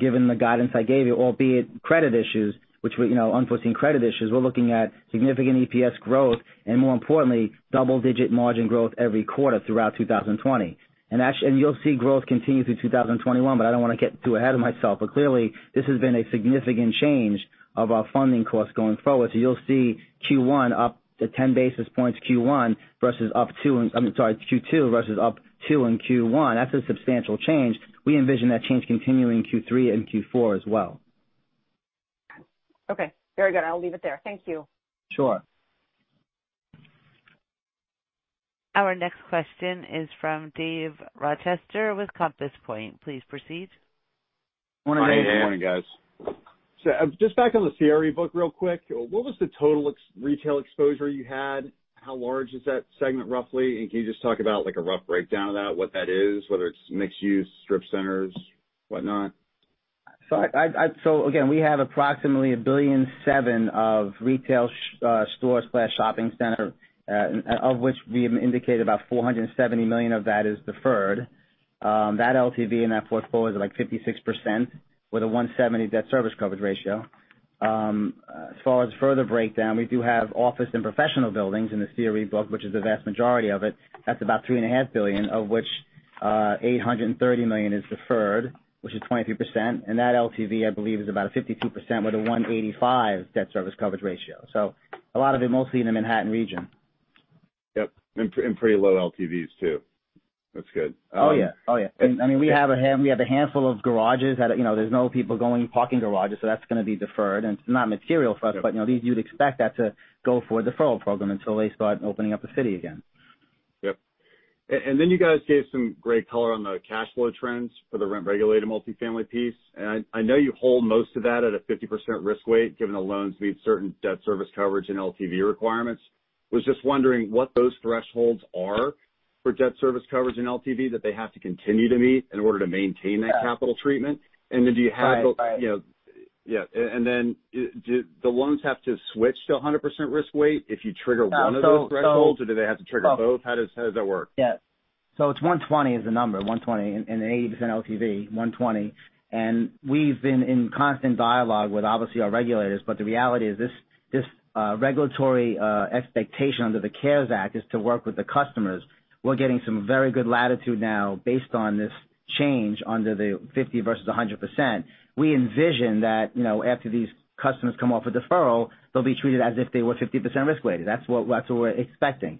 S2: given the guidance I gave you, albeit credit issues, which were unforeseen credit issues, we're looking at significant EPS growth and, more importantly, double-digit margin growth every quarter throughout 2020, and you'll see growth continue through 2021, but I don't want to get too ahead of myself, but clearly, this has been a significant change of our funding costs going forward, so you'll see Q1 up to 10 basis points Q1 versus up to - I'm sorry, Q2 versus up to in Q1. That's a substantial change. We envision that change continuing Q3 and Q4 as well.
S8: Okay. Very good. I'll leave it there. Thank you.
S2: Sure.
S3: Our next question is from Dave Rochester with Compass Point. Please proceed.
S2: Morning, Dave.
S9: Hey, morning, guys. So just back on the CRE book real quick, what was the total retail exposure you had? How large is that segment roughly? Can you just talk about a rough breakdown of that, what that is, whether it's mixed-use, strip centers, whatnot?
S2: Again, we have approximately $1.7 billion of retail stores/shopping center, of which we have indicated about $470 million of that is deferred. That LTV in that portfolio is like 56% with a 170 debt service coverage ratio. As far as further breakdown, we do have office and professional buildings in the CRE book, which is the vast majority of it. That's about $3.5 billion, of which $830 million is deferred, which is 23%. That LTV, I believe, is about 52% with a 185 debt service coverage ratio. A lot of it mostly in the Manhattan region.
S5: Yep. Pretty low LTVs too. That's good.
S2: Oh yeah. Oh yeah. I mean, we have a handful of garages. There's no people going to parking garages, so that's going to be deferred, and it's not material for us, but at least you'd expect that to go for a deferral program until they start opening up the city again.
S9: Yep, and then you guys gave some color on the cash flow trends for the rent-regulated multifamily piece, and I know you hold most of that at a 50% risk weight given the loans meet certain debt service coverage and LTV requirements. I was just wondering what those thresholds are for debt service coverage and LTV that they have to continue to meet in order to maintain that capital treatment, and then do the loans have to switch to 100% risk weight if you trigger one of those thresholds, or do they have to trigger both? How does that work? Yes.
S2: So it's 120 as the number, 120 and an 80% LTV, 120. And we've been in constant dialogue with, obviously, our regulators, but the reality is this regulatory expectation under the CARES Act is to work with the customers. We're getting some very good latitude now based on this change under the 50% versus 100%. We envision that after these customers come off a deferral, they'll be treated as if they were 50% risk weighted. That's what we're expecting.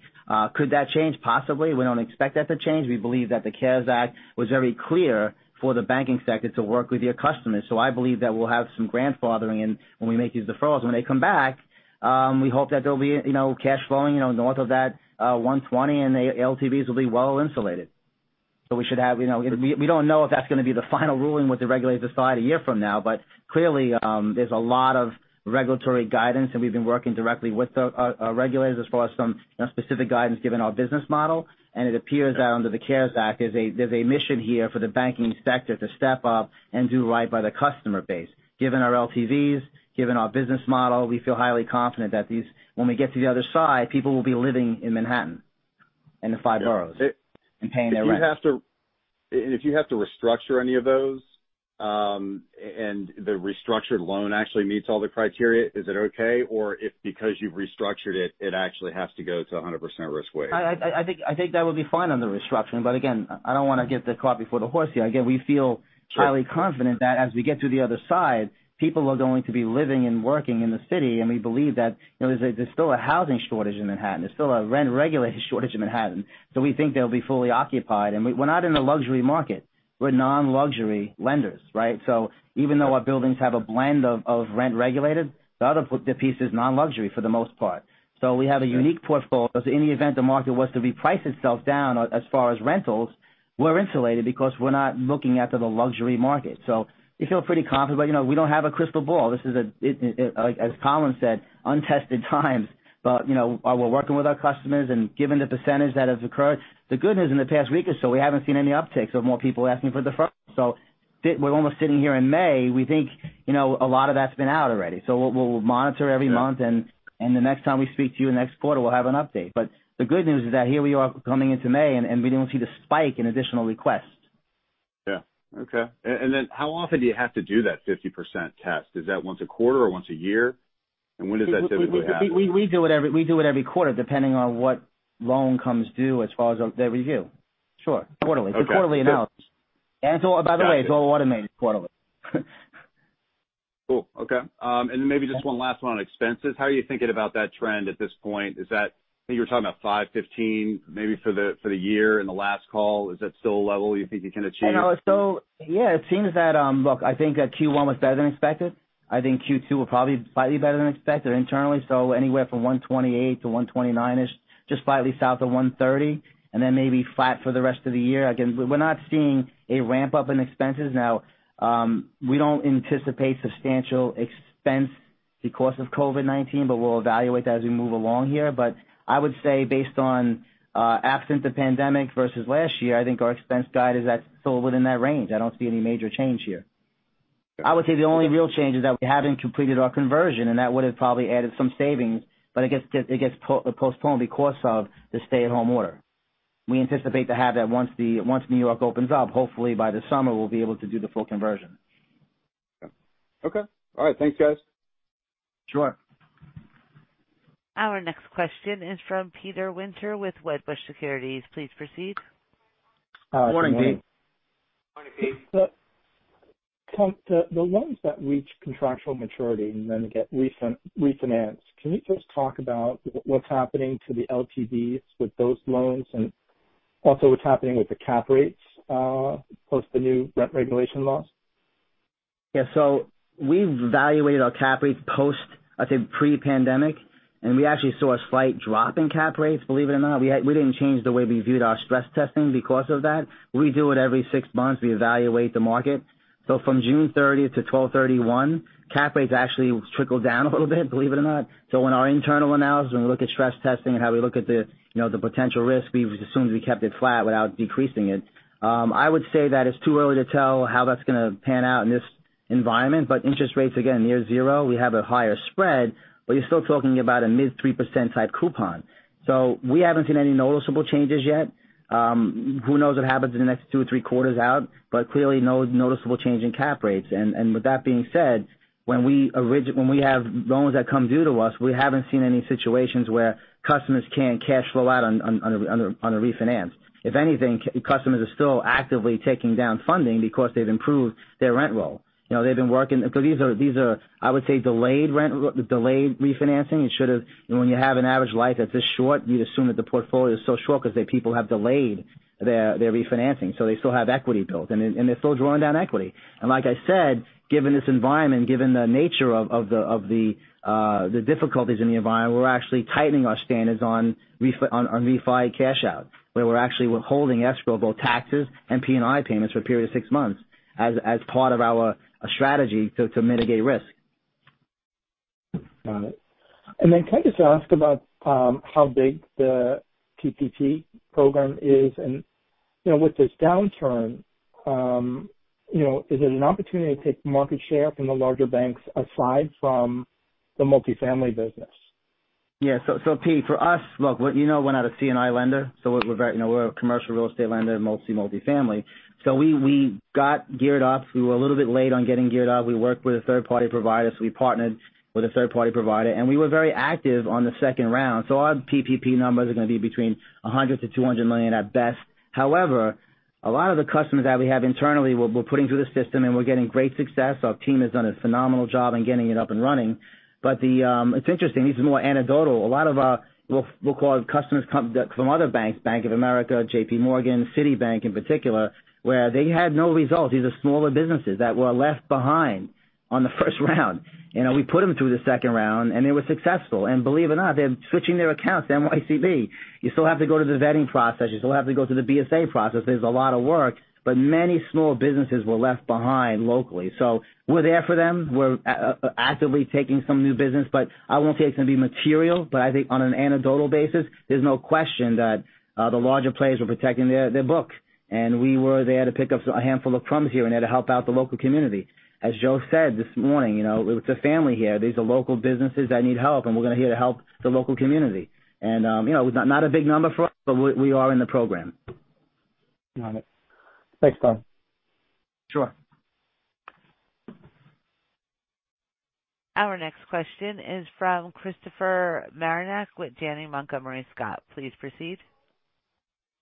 S2: Could that change? Possibly. We don't expect that to change. We believe that the CARES Act was very clear for the banking sector to work with your customers. So I believe that we'll have some grandfathering when we make these deferrals. When they come back, we hope that there'll be cash flowing north of that 120, and the LTVs will be well insulated. So we should have, we don't know if that's going to be the final ruling what the regulators decide a year from now, but clearly, there's a lot of regulatory guidance, and we've been working directly with our regulators as far as some specific guidance given our business model. And it appears that under the CARES Act, there's a mission here for the banking sector to step up and do right by the customer base. Given our LTVs, given our business model, we feel highly confident that when we get to the other side, people will be living in Manhattan and the five boroughs and paying their rent.
S9: And if you have to restructure any of those and the restructured loan actually meets all the criteria, is it okay? Or if because you've restructured it, it actually has to go to 100% risk weight?
S2: I think that would be fine under restructuring. But again, I don't want to get the car before the horse here. Again, we feel highly confident that as we get to the other side, people are going to be living and working in the city. And we believe that there's still a housing shortage in Manhattan. There's still a rent-regulated shortage in Manhattan. So we think they'll be fully occupied. And we're not in a luxury market. We're non-luxury lenders, right? So even though our buildings have a blend of rent-regulated, the other piece is non-luxury for the most part. So we have a unique portfolio. So in the event the market was to reprice itself down as far as rentals, we're insulated because we're not looking at the luxury market. So we feel pretty confident. But we don't have a crystal ball. This is, as Collyn said, untested times. But we're working with our customers, and given the percentage that has occurred, the good news in the past week or so, we haven't seen any upticks of more people asking for deferral. So we're almost sitting here in May. We think a lot of that's been out already. So we'll monitor every month, and the next time we speak to you in the next quarter, we'll have an update. But the good news is that here we are coming into May, and we don't see the spike in additional requests.
S9: Yeah. Okay. And then how often do you have to do that 50% test? Is that once a quarter or once a year? And when does that typically happen?
S2: We do it every quarter depending on what loan comes due as far as their review. Sure. Quarterly. It's a quarterly analysis. And by the way, it's all automated quarterly.
S9: Cool. Okay. And then maybe just one last one on expenses. How are you thinking about that trend at this point? I think you were talking about 515 maybe for the year in the last call. Is that still a level you think you can achieve?
S2: So yeah, it seems that, look, I think Q1 was better than expected. I think Q2 will probably be slightly better than expected internally. So anywhere from 128-129-ish, just slightly south of 130, and then maybe flat for the rest of the year. Again, we're not seeing a ramp-up in expenses. Now, we don't anticipate substantial expense because of COVID-19, but we'll evaluate that as we move along here. But I would say based on absent the pandemic versus last year, I think our expense guide is still within that range. I don't see any major change here. I would say the only real change is that we haven't completed our conversion, and that would have probably added some savings, but it gets postponed because of the stay-at-home order. We anticipate to have that once New York opens up. Hopefully, by the summer, we'll be able to do the full conversion.
S9: Okay. All right. Thanks, guys.
S2: Sure.
S3: Our next question is from Peter Winter with Wedbush Securities. Please proceed.
S2: Morning, Pete.
S5: Morning, Pete.
S10: The loans that reach contractual maturity and then get refinanced, can you just talk about what's happening to the LTVs with those loans and also what's happening with the cap rates post the new rent regulation laws?
S5: Yeah. So we've evaluated our cap rates post, I'd say, pre-pandemic, and we actually saw a slight drop in cap rates, believe it or not. We didn't change the way we viewed our stress testing because of that. We do it every six months. We evaluate the market. So from June 30th to December 31st, cap rates actually trickled down a little bit, believe it or not. So in our internal analysis, when we look at stress testing and how we look at the potential risk, we've assumed we kept it flat without decreasing it. I would say that it's too early to tell how that's going to pan out in this environment. But interest rates, again, near zero. We have a higher spread, but you're still talking about a mid-3% type coupon. So we haven't seen any noticeable changes yet. Who knows what happens in the next two or three quarters out, but clearly no noticeable change in cap rates. And with that being said, when we have loans that come due to us, we haven't seen any situations where customers can't cash flow out on a refinance. If anything, customers are still actively taking down funding because they've improved their rent roll. They've been working because these are, I would say, delayed refinancing. When you have an average life that's this short, you'd assume that the portfolio is so short because people have delayed their refinancing. So they still have equity built, and they're still drawing down equity. And like I said, given this environment, given the nature of the difficulties in the environment, we're actually tightening our standards on refinancing cash out, where we're actually withholding escrow, both taxes and P&I payments for a period of six months as part of our strategy to mitigate risk.
S10: Got it. And then can I just ask about how big the PPP program is? And with this downturn, is it an opportunity to take market share from the larger banks aside from the multifamily business?
S5: Yeah.So Pete, for us, look, you know we're not a CECL lender. So we're a commercial real estate lender, mostly multifamily. So we got geared up. We were a little bit late on getting geared up. We worked with a third-party provider. So we partnered with a third-party provider, and we were very active on the second round. So our PPP numbers are going to be between $100 million to $200 million at best. However, a lot of the customers that we have internally, we're putting through the system, and we're getting great success. Our team has done a phenomenal job in getting it up and running. But it's interesting. This is more anecdotal. A lot of our we'll call it customers from other banks: Bank of America, JP Morgan, Citibank in particular, where they had no results. These are smaller businesses that were left behind on the first round. cWe put them through the second round, and they were successful. And believe it or not, they're switching their accounts to NYCB. You still have to go to the vetting process. You still have to go through the BSA process. There's a lot of work, but many small businesses were left behind locally. So we're there for them. We're actively taking some new business, but I won't say it's going to be material, but I think on an anecdotal basis, there's no question that the larger players were protecting their book. And we were there to pick up a handful of crumbs here and there to help out the local community. As Joe said this morning, it's a family here. These are local businesses that need help, and we're going to be here to help the local community. And not a big number for us, but we are in the program.
S10: Got it. Thanks, Tom.
S5: Sure.
S3: Our next question is from Christopher Marinac with Janney Montgomery Scott. Please proceed.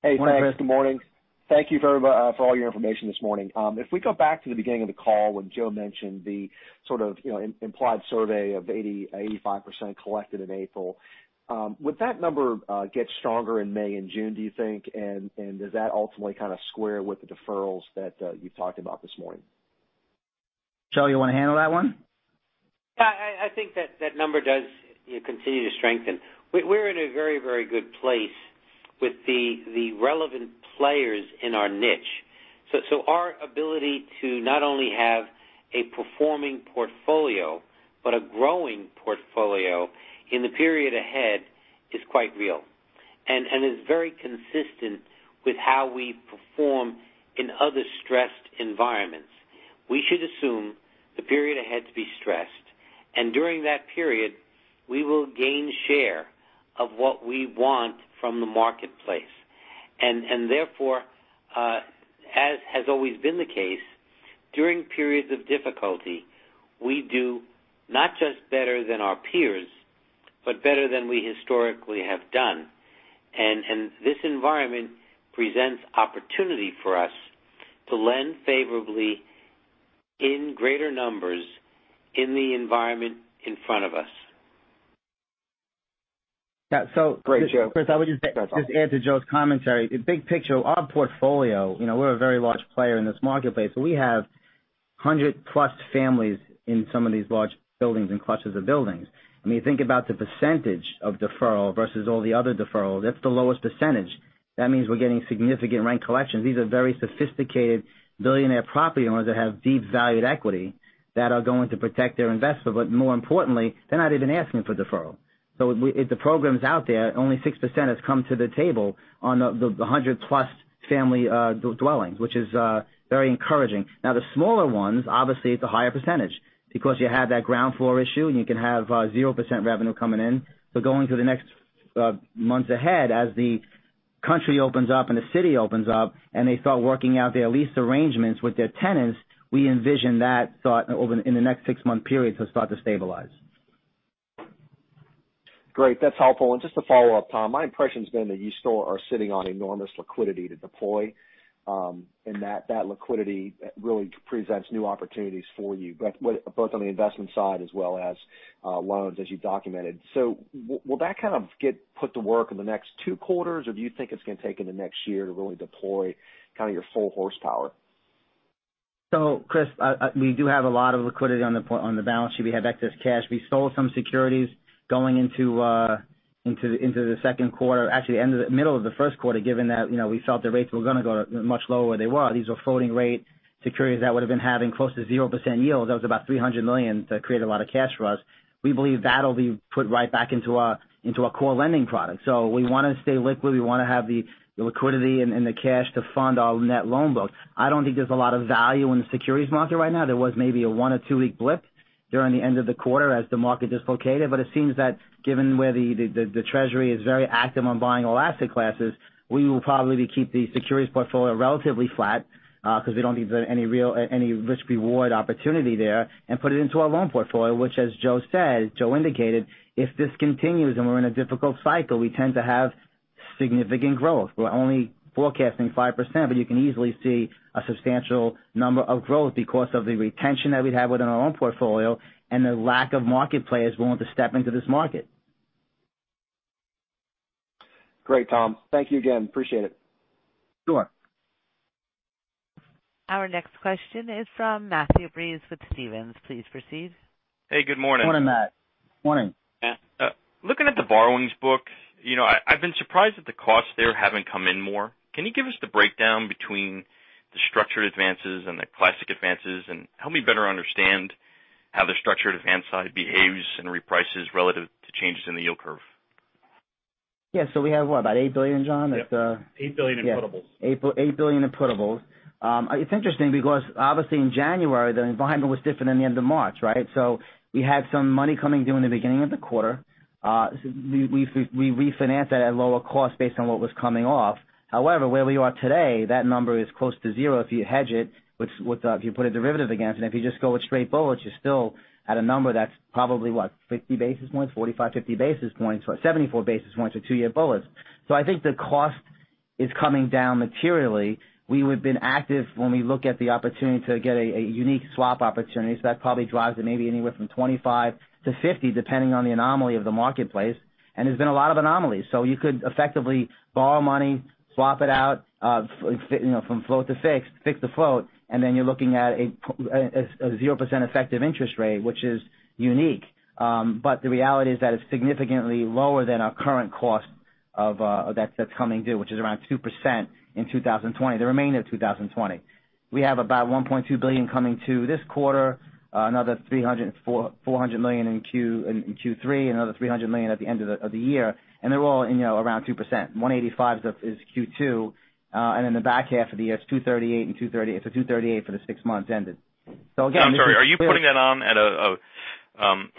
S5: Hey, Chris. Good morning.
S2: Thank you for all your information this morning. If we go back to the beginning of the call when Joe mentioned the sort of implied survey of 85% collected in April, would that number get stronger in May and June, do you think? And does that ultimately kind of square with the deferrals that you've talked about this morning?
S5: Joe, you want to handle that one?
S2: Yeah. I think that number does continue to strengthen. We're in a very, very good place with the relevant players in our niche. So our ability to not only have a performing portfolio but a growing portfolio in the period ahead is quite real and is very consistent with how we perform in other stressed environments. We should assume the period ahead to be stressed, and during that period, we will gain share of what we want from the marketplace. And therefore, as has always been the case, during periods of difficulty, we do not just better than our peers but better than we historically have done. And this environment presents opportunity for us to lend favorably in greater numbers in the environment in front of us.
S5: Yeah. So Chris, I would just add to Joe's commentary. The big picture, our portfolio, we're a very large player in this marketplace. So we have 100-plus families in some of these large buildings and clusters of buildings. I mean, think about the percentage of deferral versus all the other deferrals. That's the lowest percentage. That means we're getting significant rent collections. These are very sophisticated billionaire property owners that have deep-valued equity that are going to protect their investment. But more importantly, they're not even asking for deferral. So if the program's out there, only 6% has come to the table on the 100-plus family dwellings, which is very encouraging. Now, the smaller ones, obviously, it's a higher percentage because you have that ground floor issue, and you can have 0% revenue coming in. But going through the next months ahead, as the country opens up and the city opens up and they start working out their lease arrangements with their tenants, we envision that in the next six-month period to start to stabilize. Great. That's helpful.
S11: And just to follow up, Tom, my impression has been that you still are sitting on enormous liquidity to deploy, and that liquidity really presents new opportunities for you, both on the investment side as well as loans, as you documented. So will that kind of get put to work in the next two quarters, or do you think it's going to take in the next year to really deploy kind of your full horsepower?
S5: So Chris, we do have a lot of liquidity on the balance sheet. We have excess cash. We sold some securities going into the second quarter, actually the middle of the first quarter, given that we felt the rates were going to go much lower where they were. These were floating-rate securities that would have been having close to 0% yields. That was about $300 million to create a lot of cash for us. We believe that'll be put right back into our core lending product, so we want to stay liquid. We want to have the liquidity and the cash to fund our net loan book. I don't think there's a lot of value in the securities market right now. There was maybe a one- or two-week blip during the end of the quarter as the market dislocated, but it seems that given where the Treasury is very active on buying all asset classes, we will probably keep the securities portfolio relatively flat because we don't think there's any risk-reward opportunity there and put it into our loan portfolio, which, as Joe said, Joe indicated, if this continues and we're in a difficult cycle, we tend to have significant growth. We're only forecasting 5%, but you can easily see a substantial number of growth because of the retention that we'd have within our own portfolio and the lack of market players willing to step into this market.
S11: Great, Tom. Thank you again. Appreciate it.
S5: Sure.
S3: Our next question is from Matthew Breese with Stephens. Please proceed.
S11: Hey, good morning.
S5: Good morning, Matt. Morning.
S11: Looking at the borrowings book, I've been surprised that the costs there haven't come in more. Can you give us the breakdown between the structured advances and the classic advances and help me better understand how the structured advance side behaves and reprices relative to changes in the yield curve?
S5: Yeah. So we have what, about $8 billion, John?
S12: Yeah. $8 billion in puttables.
S5: $8 billion in puttables. It's interesting because obviously in January, the environment was different than the end of March, right? We had some money coming due in the beginning of the quarter. We refinanced that at a lower cost based on what was coming off. However, where we are today, that number is close to zero if you hedge it, if you put a derivative against it. If you just go with straight bullets, you're still at a number that's probably, what, 50 basis points, 45, 50 basis points, or 74 basis points for two-year bullets. I think the cost is coming down materially. We would have been active when we look at the opportunity to get a unique swap opportunity. That probably drives it maybe anywhere from 25 to 50, depending on the anomaly of the marketplace. There's been a lot of anomalies. So you could effectively borrow money, swap it out from float to fix, fix the float, and then you're looking at a 0% effective interest rate, which is unique. But the reality is that it's significantly lower than our current cost that's coming due, which is around 2% in 2020, the remainder of 2020. We have about $1.2 billion coming to this quarter, another $300-$400 million in Q3, and another $300 million at the end of the year. And they're all around 2%. $185 million is Q2. And in the back half of the year, it's $238 million and $230 million. It's a $238 million for the six months ended. So again, we're -
S11: Sorry. Are you putting that on at a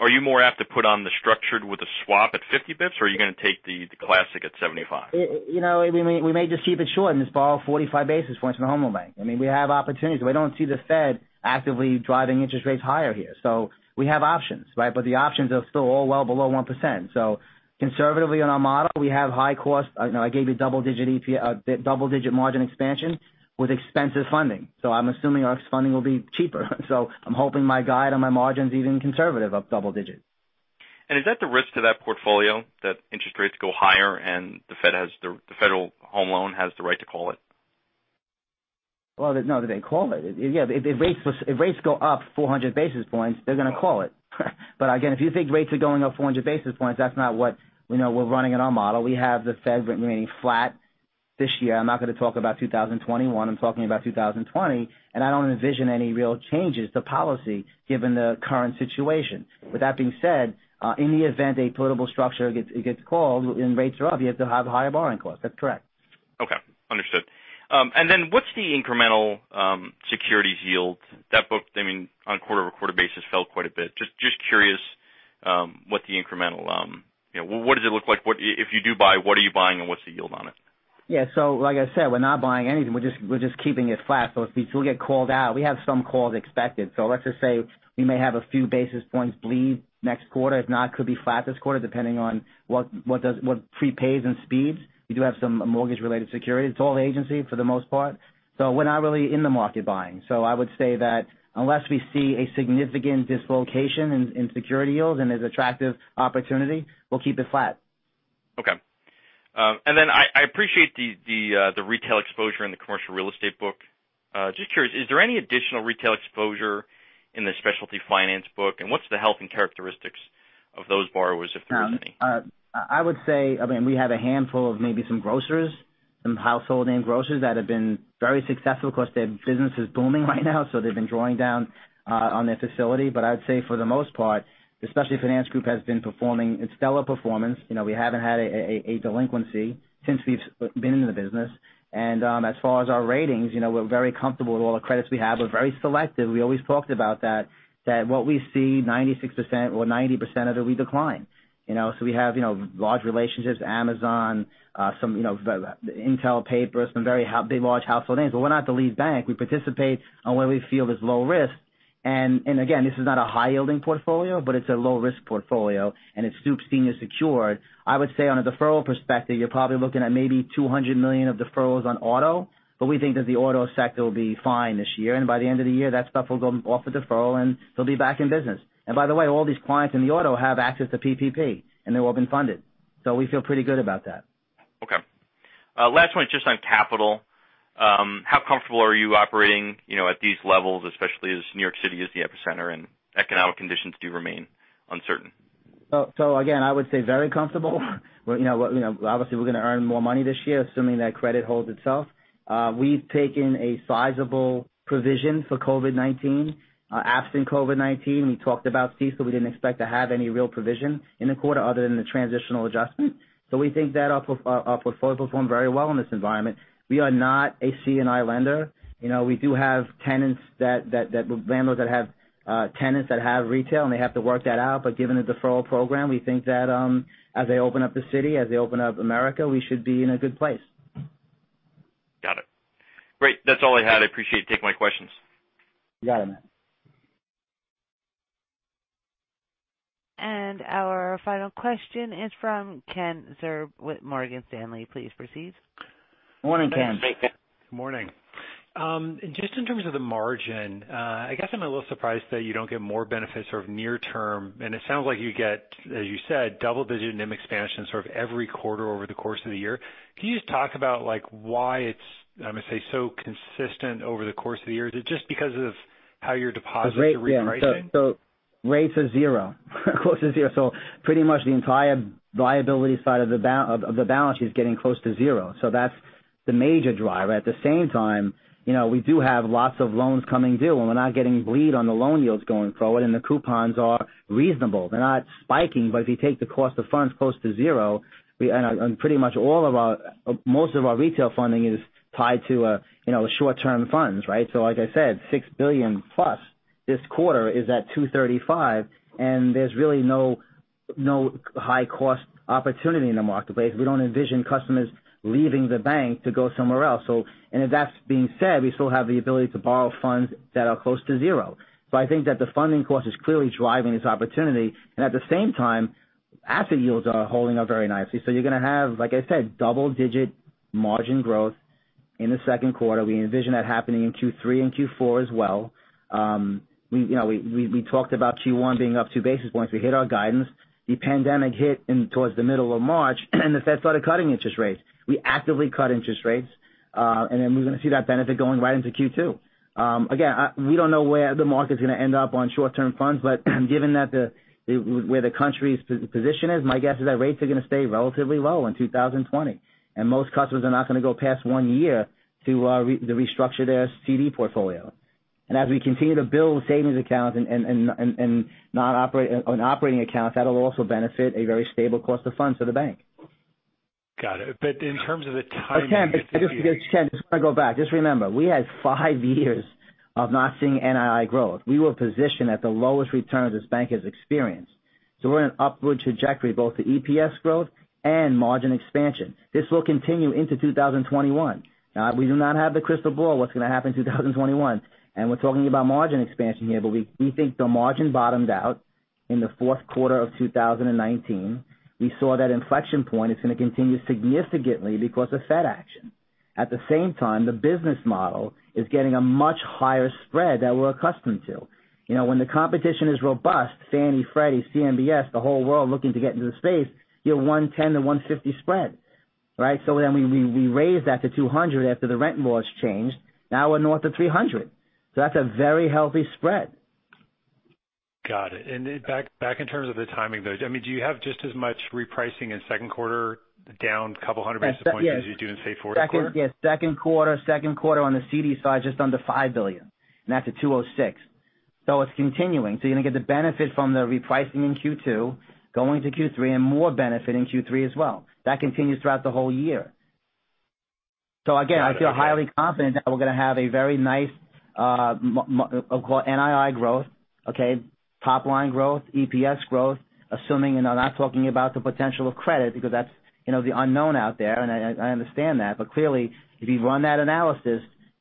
S11: - are you more apt to put on the structured with a swap at 50 basis points, or are you going to take the classic at 75?
S5: We may just keep it short in this borrow of 45 basis points from the Federal Home Loan Bank. I mean, we have opportunities. We don't see the Fed actively driving interest rates higher here. So we have options, right? But the options are still all well below 1%. So conservatively on our model, we have high cost. I gave you double-digit margin expansion with expensive funding. So I'm assuming our funding will be cheaper. So I'm hoping my guide on my margin is even conservative of double digits.
S11: Is that the risk to that portfolio that interest rates go higher and the Federal Home Loan has the right to call it?
S5: Well, no, they call it. Yeah. If rates go up 400 basis points, they're going to call it. But again, if you think rates are going up 400 basis points, that's not what we're running in our model. We have the Fed remaining flat this year. I'm not going to talk about 2021. I'm talking about 2020. And I don't envision any real changes to policy given the current situation. With that being said, in the event a political structure gets called and rates are up, you have to have higher borrow
S11: ing costs. That's correct. Okay. Understood. And then what's the incremental securities yield? That book, I mean, on quarter-over-quarter basis fell quite a bit. Just curious what the incremental—what does it look like? If you do buy, what are you buying, and what's the yield on it?
S5: Yeah. So like I said, we're not buying anything. We're just keeping it flat. So if we still get called out, we have some calls expected. So let's just say we may have a few basis points bleed next quarter. If not, it could be flat this quarter depending on what prepays and speeds. We do have some mortgage-related securities. It's all agency for the most part. So we're not really in the market buying. So I would say that unless we see a significant dislocation in security yields and there's attractive opportunity, we'll keep it flat.
S11: Okay. And then I appreciate the retail exposure in the commercial real estate book. Just curious, is there any additional retail exposure in the specialty finance book? And what's the health and characteristics of those borrowers, if there is any?
S5: I would say, I mean, we have a handful of maybe some grocers, some household name grocers that have been very successful because their business is booming right now. So they've been drawing down on their facility. But I'd say for the most part, the specialty finance group has been performing in stellar performance. We haven't had a delinquency since we've been in the business. And as far as our ratings, we're very comfortable with all the credits we have. We're very selective. We always talked about that, that what we see, 96% or 90% of it, we decline. So we have large relationships, Amazon, some Intel papers, some very big large household names. But we're not the lead bank. We participate on what we feel is low risk. And again, this is not a high-yielding portfolio, but it's a low-risk portfolio, and it's super senior secured. I would say on a deferral perspective, you're probably looking at maybe $200 million of deferrals on auto. But we think that the auto sector will be fine this year. And by the end of the year, that stuff will go off the deferral, and they'll be back in business. And by the way, all these clients in the auto have access to PPP, and they've all been funded. So we feel pretty good about that.
S11: Okay. Last one, just on capital. How comfortable are you operating at these levels, especially as New York City is the epicenter and economic conditions do remain uncertain?
S5: So again, I would say very comfortable. Obviously, we're going to earn more money this year, assuming that credit holds itself. We've taken a sizable provision for COVID-19. Absent COVID-19, we talked about C, so we didn't expect to have any real provision in the quarter other than the transitional adjustment. So we think that our portfolio performed very well in this environment. We are not a C&I lender. We do have tenants that landlords that have tenants that have retail, and they have to work that out. But given the deferral program, we think that as they open up the city, as they open up America, we should be in a good place.
S11: Got it. Great. That's all I had. I appreciate you taking my questions.
S5: You got it, Matt.
S3: And our final question is from Ken Zerbe with Morgan Stanley. Please proceed.
S2: Good morning, Ken.
S13: Good morning. Just in terms of the margin, I guess I'm a little surprised that you don't get more benefits sort of near term. And it sounds like you get, as you said, double-digit NIM expansion sort of every quarter over the course of the year. Can you just talk about why it's, I'm going to say, so consistent over the course of the year? Is it just because of how your deposits are repricing?
S2: Rates are zero. Close to zero. So pretty much the entire liability side of the balance sheet is getting close to zero. So that's the major driver. At the same time, we do have lots of loans coming due, and we're not getting bleed on the loan yields going forward, and the coupons are reasonable. They're not spiking, but if you take the cost of funds close to zero, and pretty much most of our retail funding is tied to short-term funds, right? So like I said, $6 billion plus this quarter is at 235, and there's really no high-cost opportunity in the marketplace. We don't envision customers leaving the bank to go somewhere else. And that being said, we still have the ability to borrow funds that are close to zero. So I think that the funding cost is clearly driving this opportunity. And at the same time, asset yields are holding up very nicely. So you're going to have, like I said, double-digit margin growth in the second quarter. We envision that happening in Q3 and Q4 as well. We talked about Q1 being up two basis points. We hit our guidance. The pandemic hit towards the middle of March, and the Fed started cutting interest rates. We actively cut interest rates, and then we're going to see that benefit going right into Q2. Again, we don't know where the market's going to end up on short-term funds, but given where the country's position is, my guess is that rates are going to stay relatively low in 2020. And most customers are not going to go past one year to restructure their CD portfolio. And as we continue to build savings accounts and non-operating accounts, that'll also benefit a very stable cost of funds for the bank. Got it. But in terms of the timing, Ken, just want to go back. Just remember, we had five years of not seeing NII growth. We were positioned at the lowest returns this bank has experienced. So we're in an upward trajectory, both the EPS growth and margin expansion. This will continue into 2021. We do not have the crystal ball of what's going to happen in 2021. And we're talking about margin expansion here, but we think the margin bottomed out in the fourth quarter of 2019. We saw that inflection point. It's going to continue significantly because of Fed action. At the same time, the business model is getting a much higher spread than we're accustomed to. When the competition is robust, Fannie, Freddie, CMBS, the whole world looking to get into the space, you have 110-150 spread, right? So then we raised that to 200 after the rent laws changed. Now we're north of 300. So that's a very healthy spread. Got it. And back in terms of the timing, though, I mean, do you have just as much repricing in second quarter down a couple hundred basis points as you do in, say, fourth quarter? Second quarter, second quarter on the CD side just under $5 billion, and that's at 206. So it's continuing. So you're going to get the benefit from the repricing in Q2, going to Q3, and more benefit in Q3 as well. That continues throughout the whole year. So again, I feel highly confident that we're going to have a very nice NII growth, okay, top-line growth, EPS growth, assuming, and I'm not talking about the potential of credit because that's the unknown out there, and I understand that. But clearly, if you run that analysis,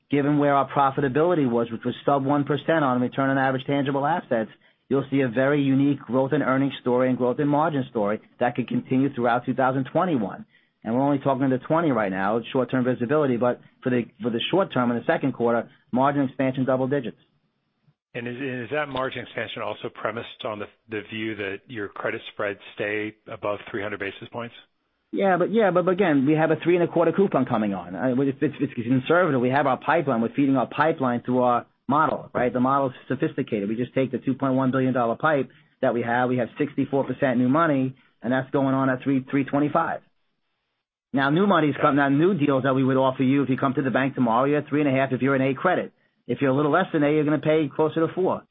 S2: given where our profitability was, which was sub 1% on return on average tangible assets, you'll see a very unique growth in earnings story and growth in margin story that could continue throughout 2021. And we're only talking to 20 right now, short-term visibility. But for the short term in the second quarter, margin expansion double digits.
S13: And is that margin expansion also premised on the view that your credit spreads stay above 300 basis points?
S2: Yeah. But yeah, but again, we have a three-and-a-quarter coupon coming on. If it's conservative, we have our pipeline. We're feeding our pipeline through our model, right? The model's sophisticated. We just take the $2.1 billion pipe that we have. We have 64% new money, and that's going on at 325. Now, new money's coming out, new deals that we would offer you if you come to the bank tomorrow. You have 3.5 if you're in A credit. If you're a little less than A, you're going to pay closer to 4.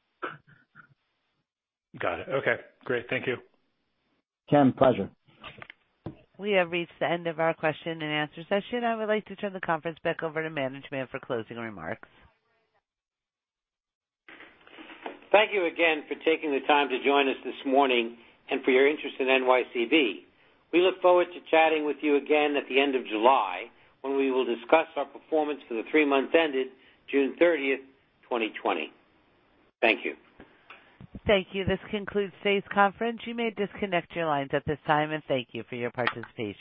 S13: Got it. Okay. Great. Thank you.
S2: Ken, pleasure.
S3: We have reached the end of our question and answer session. I would like to turn the conference back over to management for closing remarks.
S2: Thank you again for taking the time to join us this morning and for your interest in NYCB. We look forward to chatting with you again at the end of July when we will discuss our performance for the three-month ended June 30th, 2020. Thank you.
S3: Thank you. This concludes today's conference. You may disconnect your lines at this time, and thank you for your participation.